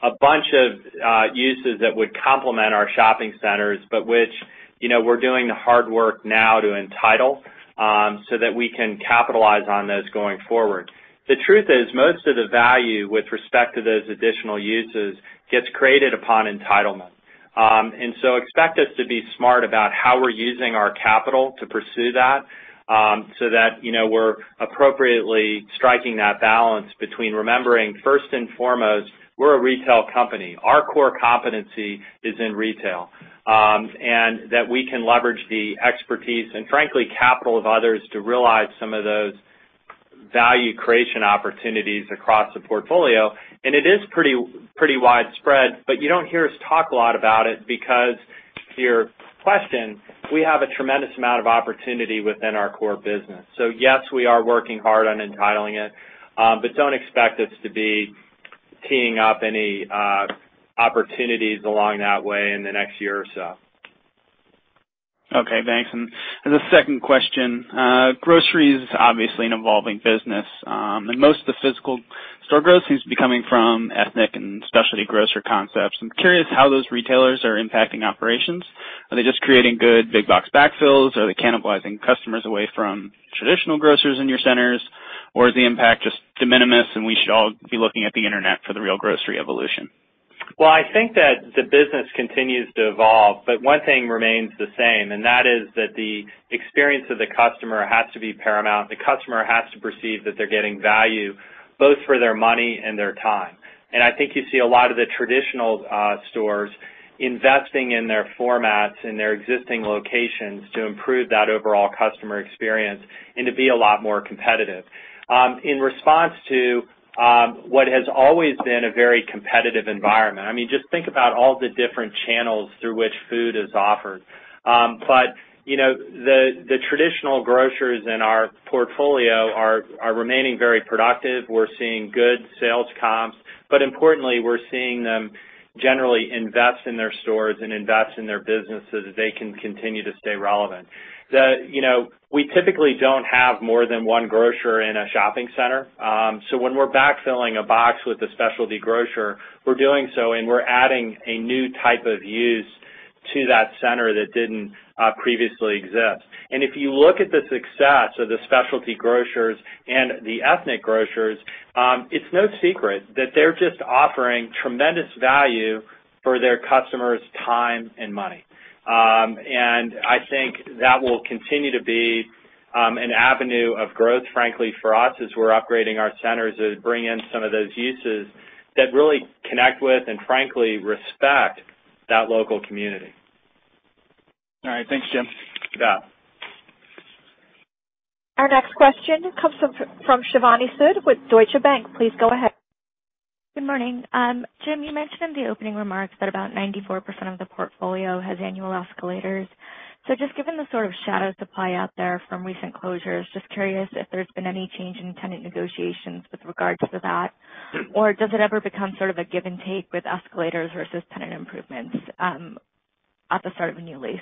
A bunch of uses that would complement our shopping centers, but which we're doing the hard work now to entitle, so that we can capitalize on those going forward. The truth is, most of the value with respect to those additional uses gets created upon entitlement. Expect us to be smart about how we're using our capital to pursue that, so that we're appropriately striking that balance between remembering, first and foremost, we're a retail company. Our core competency is in retail, and that we can leverage the expertise and frankly, capital of others to realize some of those value creation opportunities across the portfolio. It is pretty widespread, but you don't hear us talk a lot about it because to your question, we have a tremendous amount of opportunity within our core business. Yes, we are working hard on entitling it, but don't expect us to be teeing up any opportunities along that way in the next year or so. Okay, thanks. The second question. Grocery is obviously an evolving business. Most of the physical store growth seems to be coming from ethnic and specialty grocer concepts. I'm curious how those retailers are impacting operations. Are they just creating good big box backfills? Are they cannibalizing customers away from traditional grocers in your centers? Is the impact just de minimis, and we should all be looking at the internet for the real grocery evolution? Well, I think that the business continues to evolve. One thing remains the same, and that is that the experience of the customer has to be paramount. The customer has to perceive that they're getting value, both for their money and their time. I think you see a lot of the traditional stores investing in their formats, in their existing locations to improve that overall customer experience and to be a lot more competitive, in response to what has always been a very competitive environment. Just think about all the different channels through which food is offered. The traditional grocers in our portfolio are remaining very productive. We're seeing good sales comps, but importantly, we're seeing them generally invest in their stores and invest in their business so that they can continue to stay relevant. We typically don't have more than one grocer in a shopping center. When we're backfilling a box with a specialty grocer, we're doing so and we're adding a new type of use to that center that didn't previously exist. If you look at the success of the specialty grocers and the ethnic grocers, it's no secret that they're just offering tremendous value for their customers' time and money. I think that will continue to be an avenue of growth, frankly, for us as we're upgrading our centers, is bring in some of those uses that really connect with and frankly respect that local community. All right. Thanks, Jim. You bet. Our next question comes from Shivani Sood with Deutsche Bank. Please go ahead. Good morning. Jim, you mentioned in the opening remarks that about 94% of the portfolio has annual escalators. Just given the sort of shadow supply out there from recent closures, just curious if there's been any change in tenant negotiations with regards to that. Does it ever become sort of a give and take with escalators versus tenant improvements, at the start of a new lease?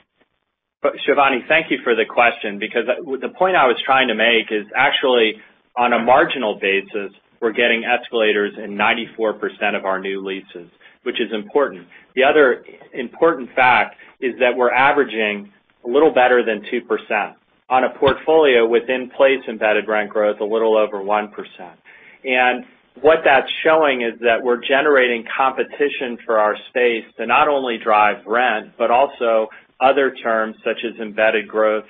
Shivani, thank you for the question, because the point I was trying to make is actually on a marginal basis, we're getting escalators in 94% of our new leases, which is important. The other important fact is that we're averaging a little better than 2% on a portfolio with in-place embedded rent growth a little over 1%. What that's showing is that we're generating competition for our space to not only drive rent, but also other terms such as embedded growth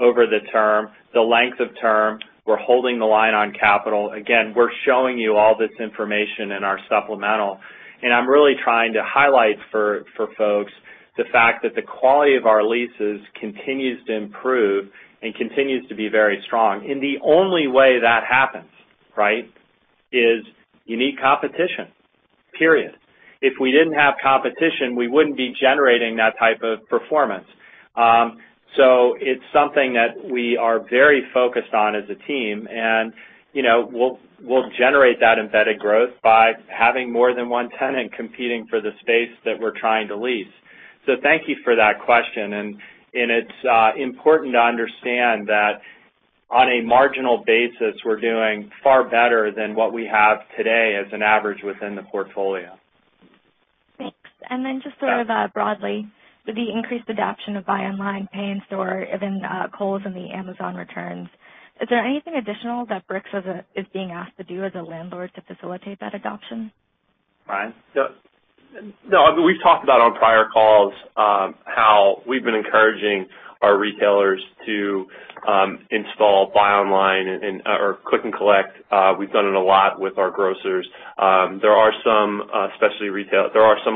over the term, the length of term. We're holding the line on capital. Again, we're showing you all this information in our supplemental. I'm really trying to highlight for folks the fact that the quality of our leases continues to improve and continues to be very strong. The only way that happens is you need competition, period. If we didn't have competition, we wouldn't be generating that type of performance. It's something that we are very focused on as a team, and we'll generate that embedded growth by having more than one tenant competing for the space that we're trying to lease. Thank you for that question, and it's important to understand that on a marginal basis, we're doing far better than what we have today as an average within the portfolio. Thanks. Just sort of broadly, with the increased adoption of buy online, pay in store within Kohl's and the Amazon returns, is there anything additional that Brix is being asked to do as a landlord to facilitate that adoption? Brian? No. I mean, we've talked about on prior calls, how we've been encouraging our retailers to install buy online or click and collect. We've done it a lot with our grocers. There are some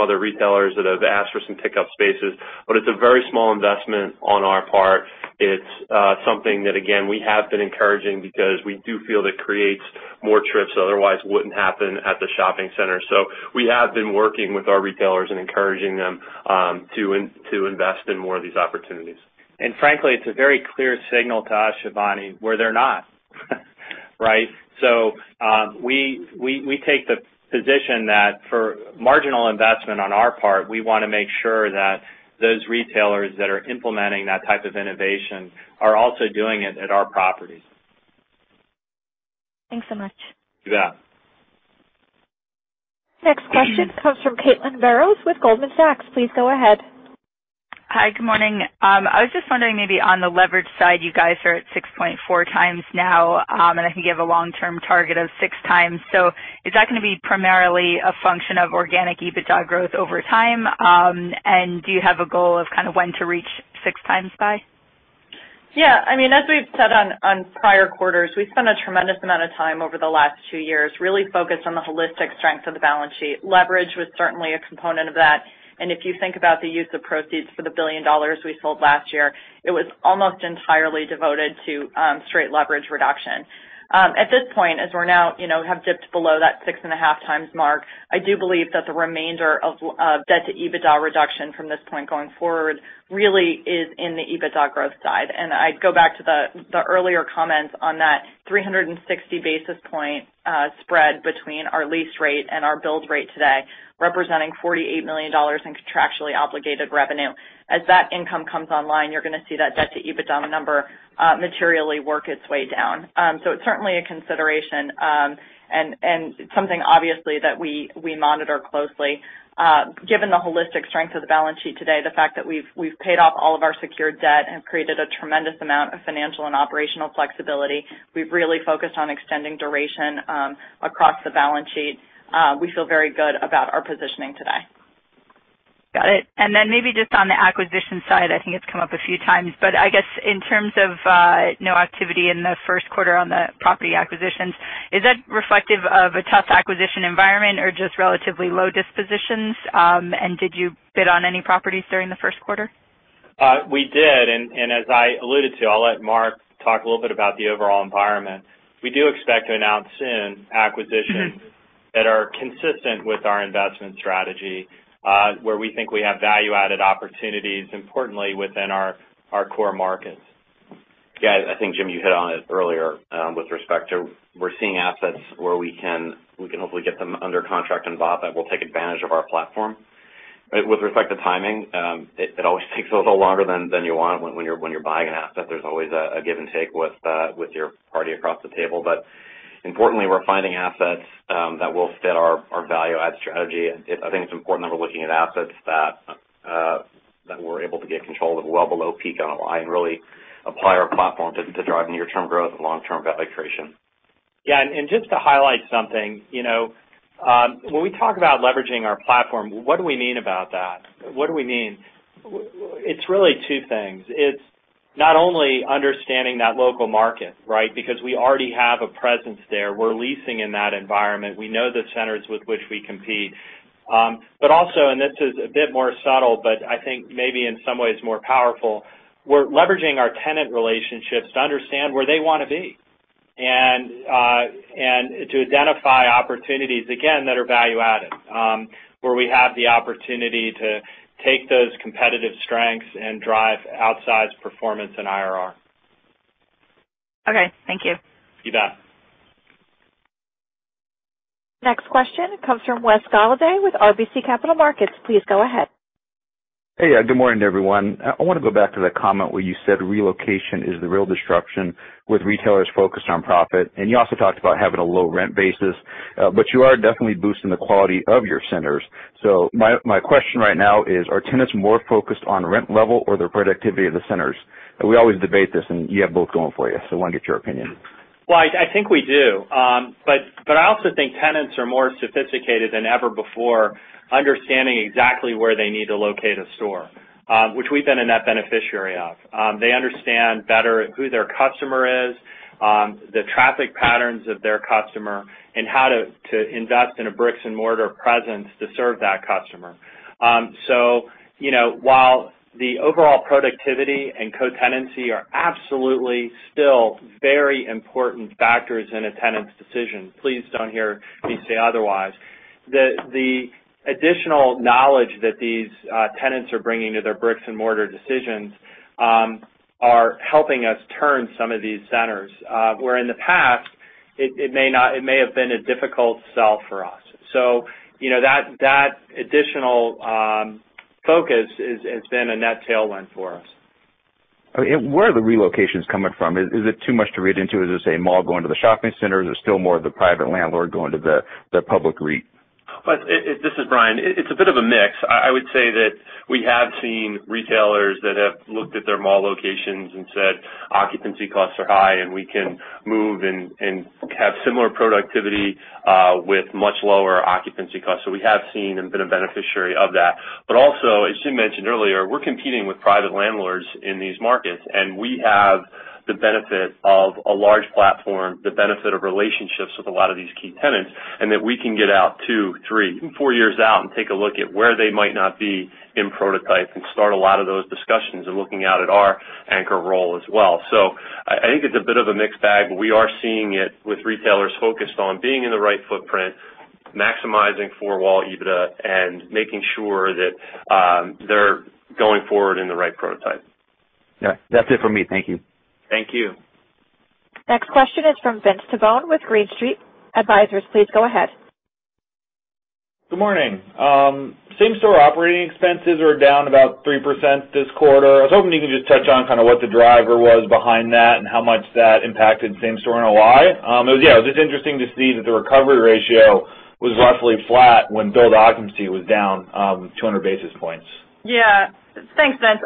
other retailers that have asked for some pickup spaces, but it's a very small investment on our part. It's something that, again, we have been encouraging because we do feel it creates more trips that otherwise wouldn't happen at the shopping center. We have been working with our retailers and encouraging them to invest in more of these opportunities. Frankly, it's a very clear signal to us, Shivani, where they're not. We take the position that for marginal investment on our part, we want to make sure that those retailers that are implementing that type of innovation are also doing it at our properties. Thanks so much. You bet. Next question comes from Caitlin Burrows with Goldman Sachs. Please go ahead. Hi. Good morning. I was just wondering maybe on the leverage side, you guys are at 6.4x now, I think you have a long-term target of 6x. Is that going to be primarily a function of organic EBITDA growth over time? Do you have a goal of kind of when to reach 6x by? Yeah. I mean, as we've said on prior quarters, we've spent a tremendous amount of time over the last two years really focused on the holistic strength of the balance sheet. Leverage was certainly a component of that, and if you think about the use of proceeds for the $1 billion we sold last year, it was almost entirely devoted to straight leverage reduction. At this point, as we now have dipped below that six and a half times mark, I do believe that the remainder of debt to EBITDA reduction from this point going forward really is in the EBITDA growth side. I'd go back to the earlier comments on that 360 basis point spread between our lease rate and our build rate today, representing $48 million in contractually obligated revenue. As that income comes online, you're going to see that debt to EBITDA number materially work its way down. It's certainly a consideration, and something obviously that we monitor closely. Given the holistic strength of the balance sheet today, the fact that we've paid off all of our secured debt and created a tremendous amount of financial and operational flexibility, we've really focused on extending duration across the balance sheet. We feel very good about our positioning today. Got it. Then maybe just on the acquisition side, I think it's come up a few times, but I guess in terms of no activity in the first quarter on the property acquisitions, is that reflective of a tough acquisition environment or just relatively low dispositions? Did you bid on any properties during the first quarter? We did, as I alluded to, I'll let Mark talk a little bit about the overall environment. We do expect to announce soon acquisitions that are consistent with our investment strategy, where we think we have value-added opportunities, importantly within our core markets. Yeah. I think, Jim, you hit on it earlier, with respect to we're seeing assets where we can hopefully get them under contract and bought that will take advantage of our platform. With respect to timing, it always takes a little longer than you want when you're buying an asset. There's always a give and take with your party across the table. Importantly, we're finding assets that will fit our value-add strategy. I think it's important that we're looking at assets that we're able to get control of well below peak NOI and really apply our platform to drive near-term growth and long-term value creation. Just to highlight something, when we talk about leveraging our platform, what do we mean about that? What do we mean? It's really two things. It's not only understanding that local market, right? We already have a presence there. We're leasing in that environment. We know the centers with which we compete. Also, and this is a bit more subtle, but I think maybe in some ways more powerful, we're leveraging our tenant relationships to understand where they want to be and to identify opportunities, again, that are value-added, where we have the opportunity to take those competitive strengths and drive outsized performance in IRR. Okay. Thank you. You bet. Next question comes from Wes Golladay with RBC Capital Markets. Please go ahead. Hey, yeah, good morning to everyone. I want to go back to the comment where you said relocation is the real disruption with retailers focused on profit, and you also talked about having a low rent basis, but you are definitely boosting the quality of your centers. My question right now is, are tenants more focused on rent level or the productivity of the centers? We always debate this, and you have both going for you, so I want to get your opinion. Well, I think we do. I also think tenants are more sophisticated than ever before, understanding exactly where they need to locate a store, which we've been a net beneficiary of. They understand better who their customer is, the traffic patterns of their customer, and how to invest in a bricks-and-mortar presence to serve that customer. While the overall productivity and co-tenancy are absolutely still very important factors in a tenant's decision, please don't hear me say otherwise, the additional knowledge that these tenants are bringing to their bricks-and-mortar decisions are helping us turn some of these centers, where in the past, it may have been a difficult sell for us. That additional focus has been a net tailwind for us. Where are the relocations coming from? Is it too much to read into? Is this a mall going to the shopping center? Is it still more of the private landlord going to the public REIT? This is Brian. It's a bit of a mix. I would say that we have seen retailers that have looked at their mall locations and said, "Occupancy costs are high, and we can move and have similar productivity with much lower occupancy costs." We have seen and been a beneficiary of that. Also, as Jim mentioned earlier, we're competing with private landlords in these markets, and we have the benefit of a large platform, the benefit of relationships with a lot of these key tenants, and that we can get out two, three, even four years out and take a look at where they might not be in prototype and start a lot of those discussions and looking out at our anchor role as well. I think it's a bit of a mixed bag, but we are seeing it with retailers focused on being in the right footprint, maximizing four-wall EBITDA, and making sure that they're going forward in the right prototype. All right. That's it for me. Thank you. Thank you. Next question is from Vince Tibone with Green Street Advisors. Please go ahead. Good morning. Same-store operating expenses are down about 3% this quarter. I was hoping you could just touch on kind of what the driver was behind that and how much that impacted same-store NOI. Yeah, it was just interesting to see that the recovery ratio was roughly flat when billed occupancy was down 200 basis points. Yeah. Thanks, Vince.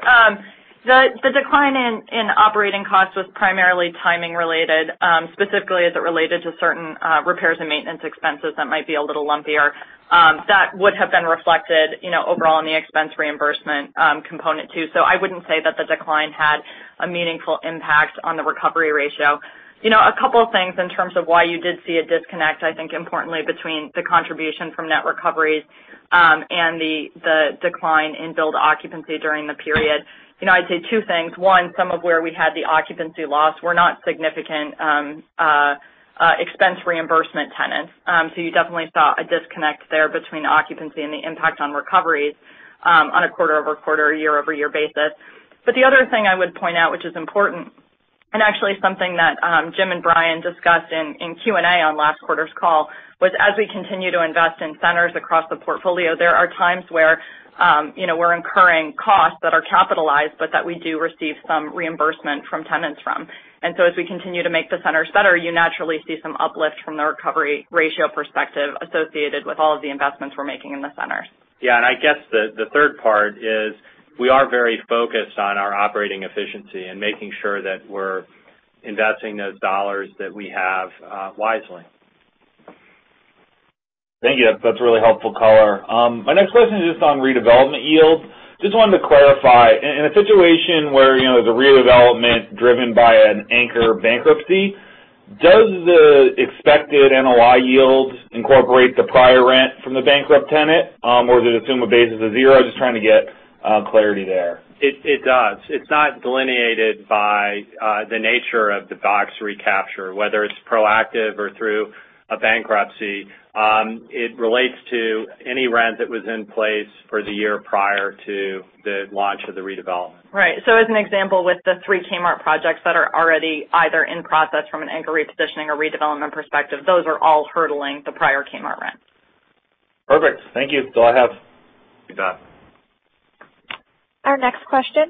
The decline in operating costs was primarily timing related, specifically as it related to certain repairs and maintenance expenses that might be a little lumpier. That would have been reflected overall in the expense reimbursement component, too. I wouldn't say that the decline had a meaningful impact on the recovery ratio. A couple of things in terms of why you did see a disconnect, I think, importantly, between the contribution from net recoveries and the decline in billed occupancy during the period. I'd say two things. One, some of where we had the occupancy loss were not significant expense reimbursement tenants. You definitely saw a disconnect there between occupancy and the impact on recoveries on a quarter-over-quarter, year-over-year basis. The other thing I would point out, which is important, and actually something that Jim and Brian discussed in Q&A on last quarter's call, was as we continue to invest in centers across the portfolio, there are times where we're incurring costs that are capitalized, but that we do receive some reimbursement from tenants from. As we continue to make the centers better, you naturally see some uplift from the recovery ratio perspective associated with all of the investments we're making in the centers. Yeah, I guess the third part is we are very focused on our operating efficiency and making sure that we're investing those dollars that we have wisely. Thank you. That's a really helpful color. My next question is just on redevelopment yields. Just wanted to clarify, in a situation where the redevelopment driven by an anchor bankruptcy, does the expected NOI yield incorporate the prior rent from the bankrupt tenant? Or does it assume a basis of zero? Just trying to get clarity there. It does. It's not delineated by the nature of the box recapture, whether it's proactive or through a bankruptcy. It relates to any rent that was in place for the year prior to the launch of the redevelopment. Right. As an example, with the three Kmart projects that are already either in process from an anchor repositioning or redevelopment perspective, those are all hurdling the prior Kmart rent. Perfect. Thank you. That's all I have. You bet. Our next question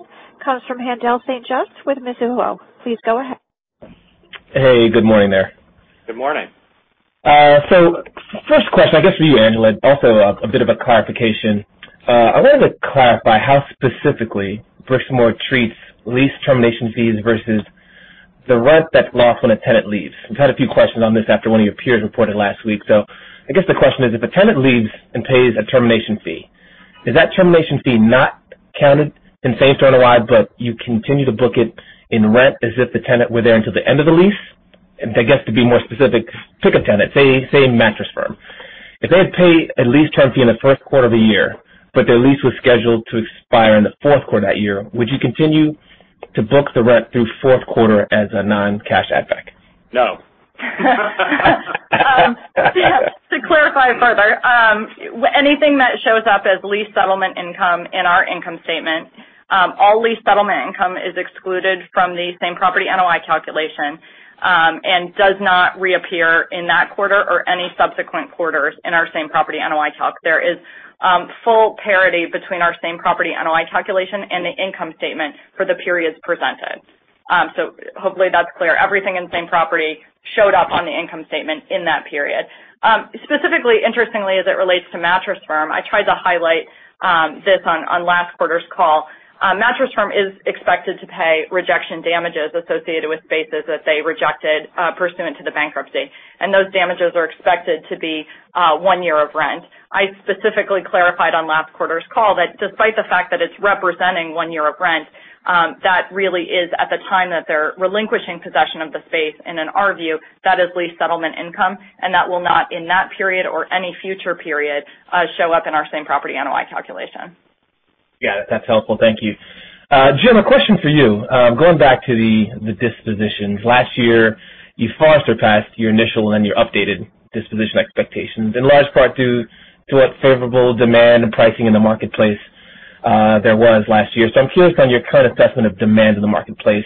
comes from Haendel St. Juste with Mizuho. Please go ahead. Hey, good morning there. Good morning. First question, I guess for you, Angela, also a bit of a clarification. I wanted to clarify how specifically Brixmor treats lease termination fees versus the rent that's lost when a tenant leaves. We've had a few questions on this after one of your peers reported last week. I guess the question is, if a tenant leaves and pays a termination fee, is that termination fee not counted in same-store NOI, but you continue to book it in rent as if the tenant were there until the end of the lease? I guess to be more specific, pick a tenant, say Mattress Firm. If they pay a lease term fee in the first quarter of the year, but their lease was scheduled to expire in the fourth quarter that year, would you continue to book the rent through fourth quarter as a non-cash add back? No. To clarify further, anything that shows up as lease settlement income in our income statement, all lease settlement income is excluded from the same-property NOI calculation, and does not reappear in that quarter or any subsequent quarters in our same-property NOI calc. There is full parity between our same-property NOI calculation and the income statement for the periods presented. Hopefully that's clear. Everything in same-property showed up on the income statement in that period. Specifically, interestingly, as it relates to Mattress Firm, I tried to highlight this on last quarter's call. Mattress Firm is expected to pay rejection damages associated with spaces that they rejected pursuant to the bankruptcy, and those damages are expected to be one year of rent. I specifically clarified on last quarter's call that despite the fact that it's representing one year of rent, that really is at the time that they're relinquishing possession of the space, and in our view, that is lease settlement income, and that will not, in that period or any future period, show up in our same-property NOI calculation. Yeah. That's helpful. Thank you. Jim, a question for you. Going back to the dispositions. Last year, you far surpassed your initial and your updated disposition expectations, in large part due to what favorable demand and pricing in the marketplace there was last year. I'm curious on your current assessment of demand in the marketplace,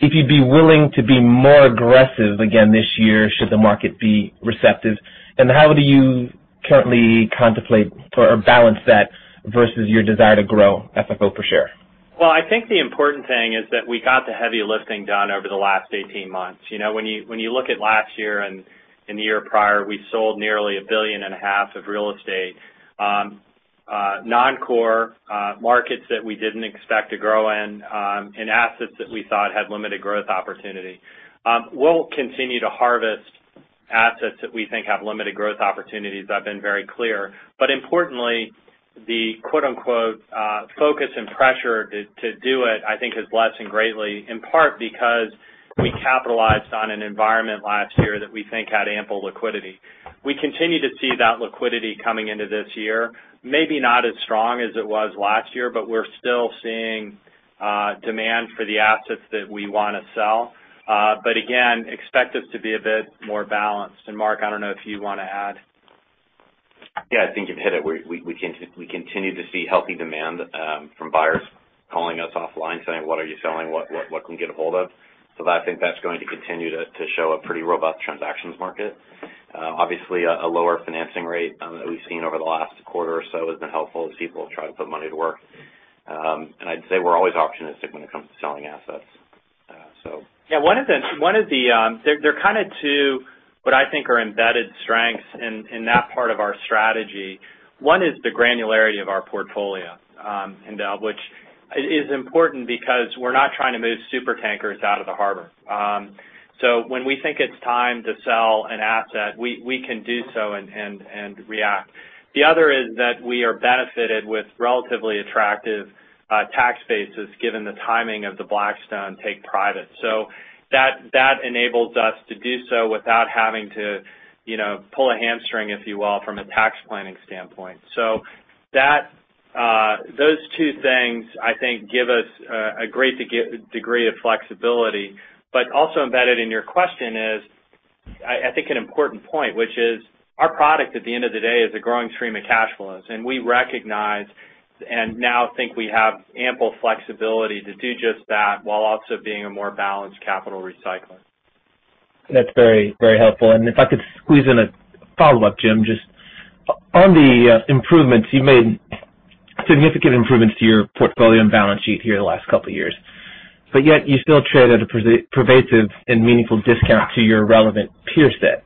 if you'd be willing to be more aggressive again this year should the market be receptive, and how do you currently contemplate for, or balance that versus your desire to grow FFO per share? I think the important thing is that we got the heavy lifting done over the last 18 months. When you look at last year and the year prior, we sold nearly $1.5 billion of real estate, non-core markets that we didn't expect to grow in, and assets that we thought had limited growth opportunity. We'll continue to harvest assets that we think have limited growth opportunities. I've been very clear. Importantly, the "focus and pressure" to do it, I think, has lessened greatly, in part because we capitalized on an environment last year that we think had ample liquidity. We continue to see that liquidity coming into this year, maybe not as strong as it was last year, but we're still seeing demand for the assets that we want to sell. Again, expect us to be a bit more balanced. Mark, I don't know if you want to add. I think you've hit it. We continue to see healthy demand from buyers calling us offline saying, "What are you selling? What can we get a hold of?" I think that's going to continue to show a pretty robust transactions market. Obviously, a lower financing rate that we've seen over the last quarter or so has been helpful as people try to put money to work. I'd say we're always opportunistic when it comes to selling assets. There are kind of two what I think are embedded strengths in that part of our strategy. One is the granularity of our portfolio, which is important because we're not trying to move supertankers out of the harbor. When we think it's time to sell an asset, we can do so and react. The other is that we are benefited with relatively attractive tax bases given the timing of the Blackstone take private. That enables us to do so without having to pull a hamstring, if you will, from a tax planning standpoint. Those two things, I think, give us a great degree of flexibility. Also embedded in your question is, I think, an important point, which is our product at the end of the day is a growing stream of cash flows. We recognize and now think we have ample flexibility to do just that, while also being a more balanced capital recycler. That's very helpful. If I could squeeze in a follow-up, Jim, just on the improvements, you've made significant improvements to your portfolio and balance sheet here the last couple of years. Yet you still trade at a pervasive and meaningful discount to your relevant peer set.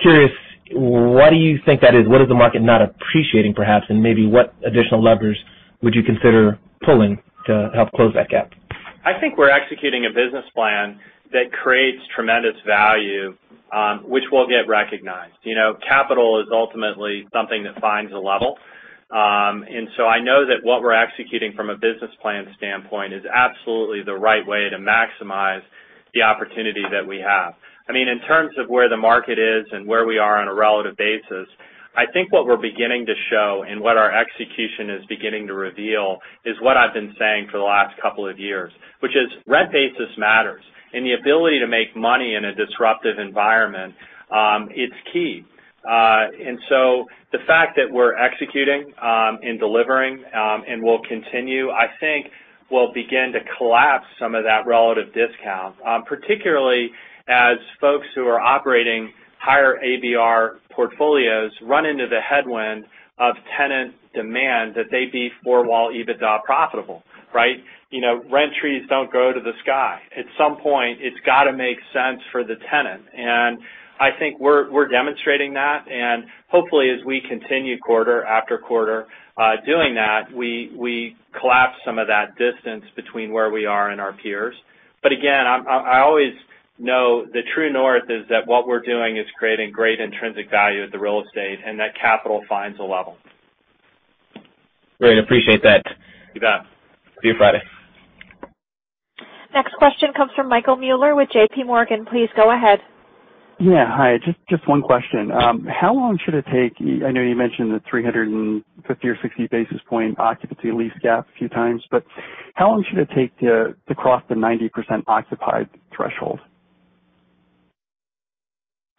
Curious, why do you think that is? What is the market not appreciating, perhaps, and maybe what additional levers would you consider pulling to help close that gap? I think we're executing a business plan that creates tremendous value, which will get recognized. Capital is ultimately something that finds a level. I know that what we're executing from a business plan standpoint is absolutely the right way to maximize the opportunity that we have. In terms of where the market is and where we are on a relative basis, I think what we're beginning to show and what our execution is beginning to reveal is what I've been saying for the last couple of years, which is rent basis matters, and the ability to make money in a disruptive environment, it's key. The fact that we're executing and delivering, and will continue, I think, will begin to collapse some of that relative discount, particularly as folks who are operating higher ABR portfolios run into the headwind of tenant demand that they be four-wall EBITDA profitable. Right? Rent trees don't go to the sky. At some point, it's got to make sense for the tenant. I think we're demonstrating that, and hopefully as we continue quarter after quarter doing that, we collapse some of that distance between where we are and our peers. Again, I always know the true north is that what we're doing is creating great intrinsic value at the real estate, and that capital finds a level. Great. Appreciate that. You bet. See you Friday. Next question comes from Michael Mueller with JPMorgan. Please go ahead. Yeah. Hi. Just one question. How long should it take I know you mentioned the 350 or 360 basis point occupancy lease gap a few times, but how long should it take to cross the 90% occupied threshold?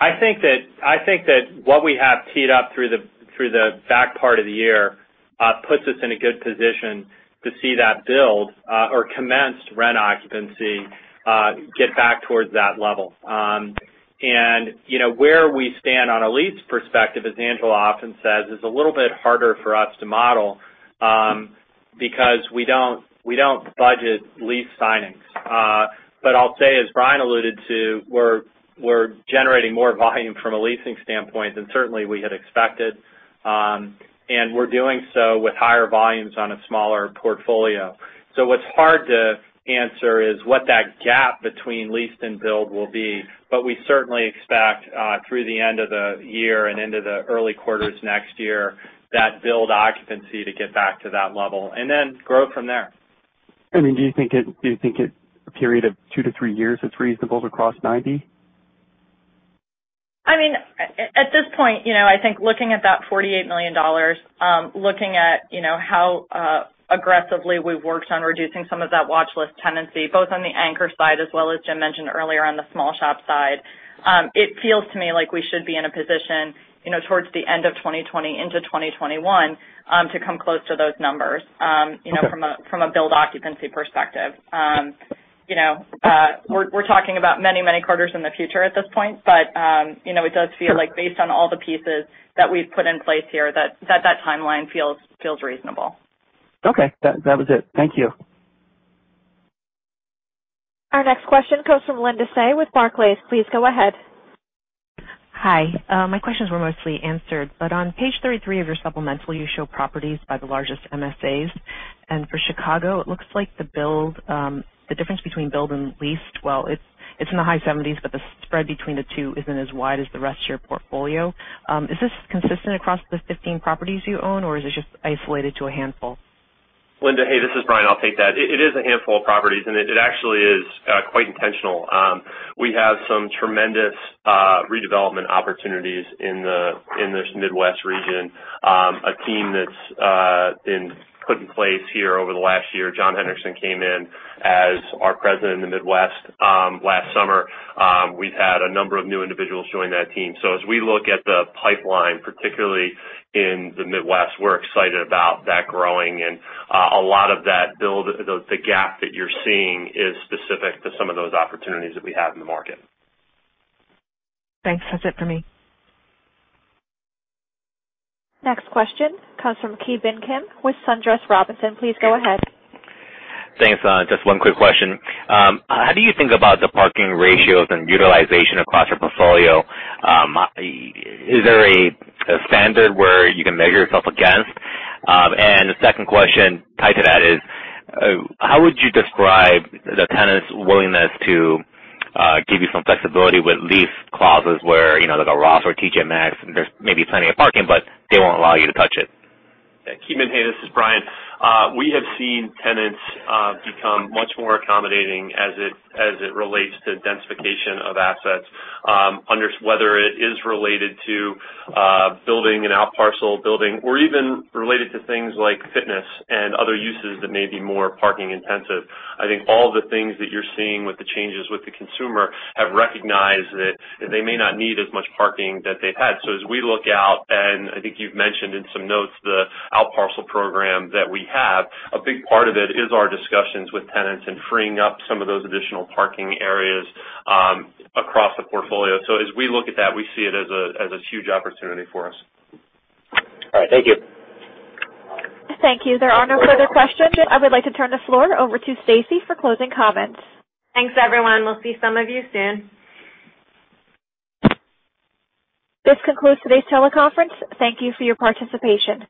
I think that what we have teed up through the back part of the year puts us in a good position to see that build or commenced rent occupancy get back towards that level. Where we stand on a lease perspective, as Angela often says, is a little bit harder for us to model because we don't budget lease signings. I'll say, as Brian alluded to, we're generating more volume from a leasing standpoint than certainly we had expected. We're doing so with higher volumes on a smaller portfolio. What's hard to answer is what that gap between leased and build will be, but we certainly expect through the end of the year and into the early quarters next year, that build occupancy to get back to that level, and then grow from there. Do you think a period of two-three years is reasonable to cross 90? At this point, I think looking at that $48 million, looking at how aggressively we've worked on reducing some of that watch list tenancy, both on the anchor side as well as Jim mentioned earlier on the small shop side, it feels to me like we should be in a position towards the end of 2020 into 2021 to come close to those numbers - Okay. - from a build occupancy perspective. We are talking about many, many quarters in the future at this point, but it does feel like based on all the pieces that we have put in place here, that timeline feels reasonable. Okay. That was it. Thank you. Our next question comes from Linda Tsai with Barclays. Please go ahead. Hi. My questions were mostly answered. On page 33 of your supplemental, you show properties by the largest MSAs. For Chicago, it looks like the difference between build and leased, well, it is in the high 70s, but the spread between the two isn't as wide as the rest of your portfolio. Is this consistent across the 15 properties you own, or is this just isolated to a handful? Linda, hey, this is Brian. I'll take that. It is a handful of properties, and it actually is quite intentional. We have some tremendous redevelopment opportunities in this Midwest Region. A team that's been put in place here over the last year, John Henderson came in as our President in the Midwest last summer. We've had a number of new individuals join that team. As we look at the pipeline, particularly in the Midwest, we're excited about that growing and a lot of that build, the gap that you're seeing is specific to some of those opportunities that we have in the market. Thanks. That's it for me. Next question comes from Ki Bin Kim with SunTrust Robinson. Please go ahead. Thanks. Just one quick question. How do you think about the parking ratios and utilization across your portfolio? Is there a standard where you can measure yourself against? The second question tied to that is, how would you describe the tenant's willingness to give you some flexibility with lease clauses where, like a Ross or T.J. Maxx, there's maybe plenty of parking, but they won't allow you to touch it? Ki Bin. Hey, this is Brian. We have seen tenants become much more accommodating as it relates to densification of assets, whether it is related to building an outparcel building or even related to things like fitness and other uses that may be more parking intensive. I think all the things that you're seeing with the changes with the consumer have recognized that they may not need as much parking that they've had. As we look out, and I think you've mentioned in some notes the outparcel program that we have, a big part of it is our discussions with tenants and freeing up some of those additional parking areas across the portfolio. As we look at that, we see it as a huge opportunity for us. All right. Thank you. Thank you. There are no further questions. I would like to turn the floor over to Stacy for closing comments. Thanks, everyone. We'll see some of you soon. This concludes today's teleconference. Thank you for your participation.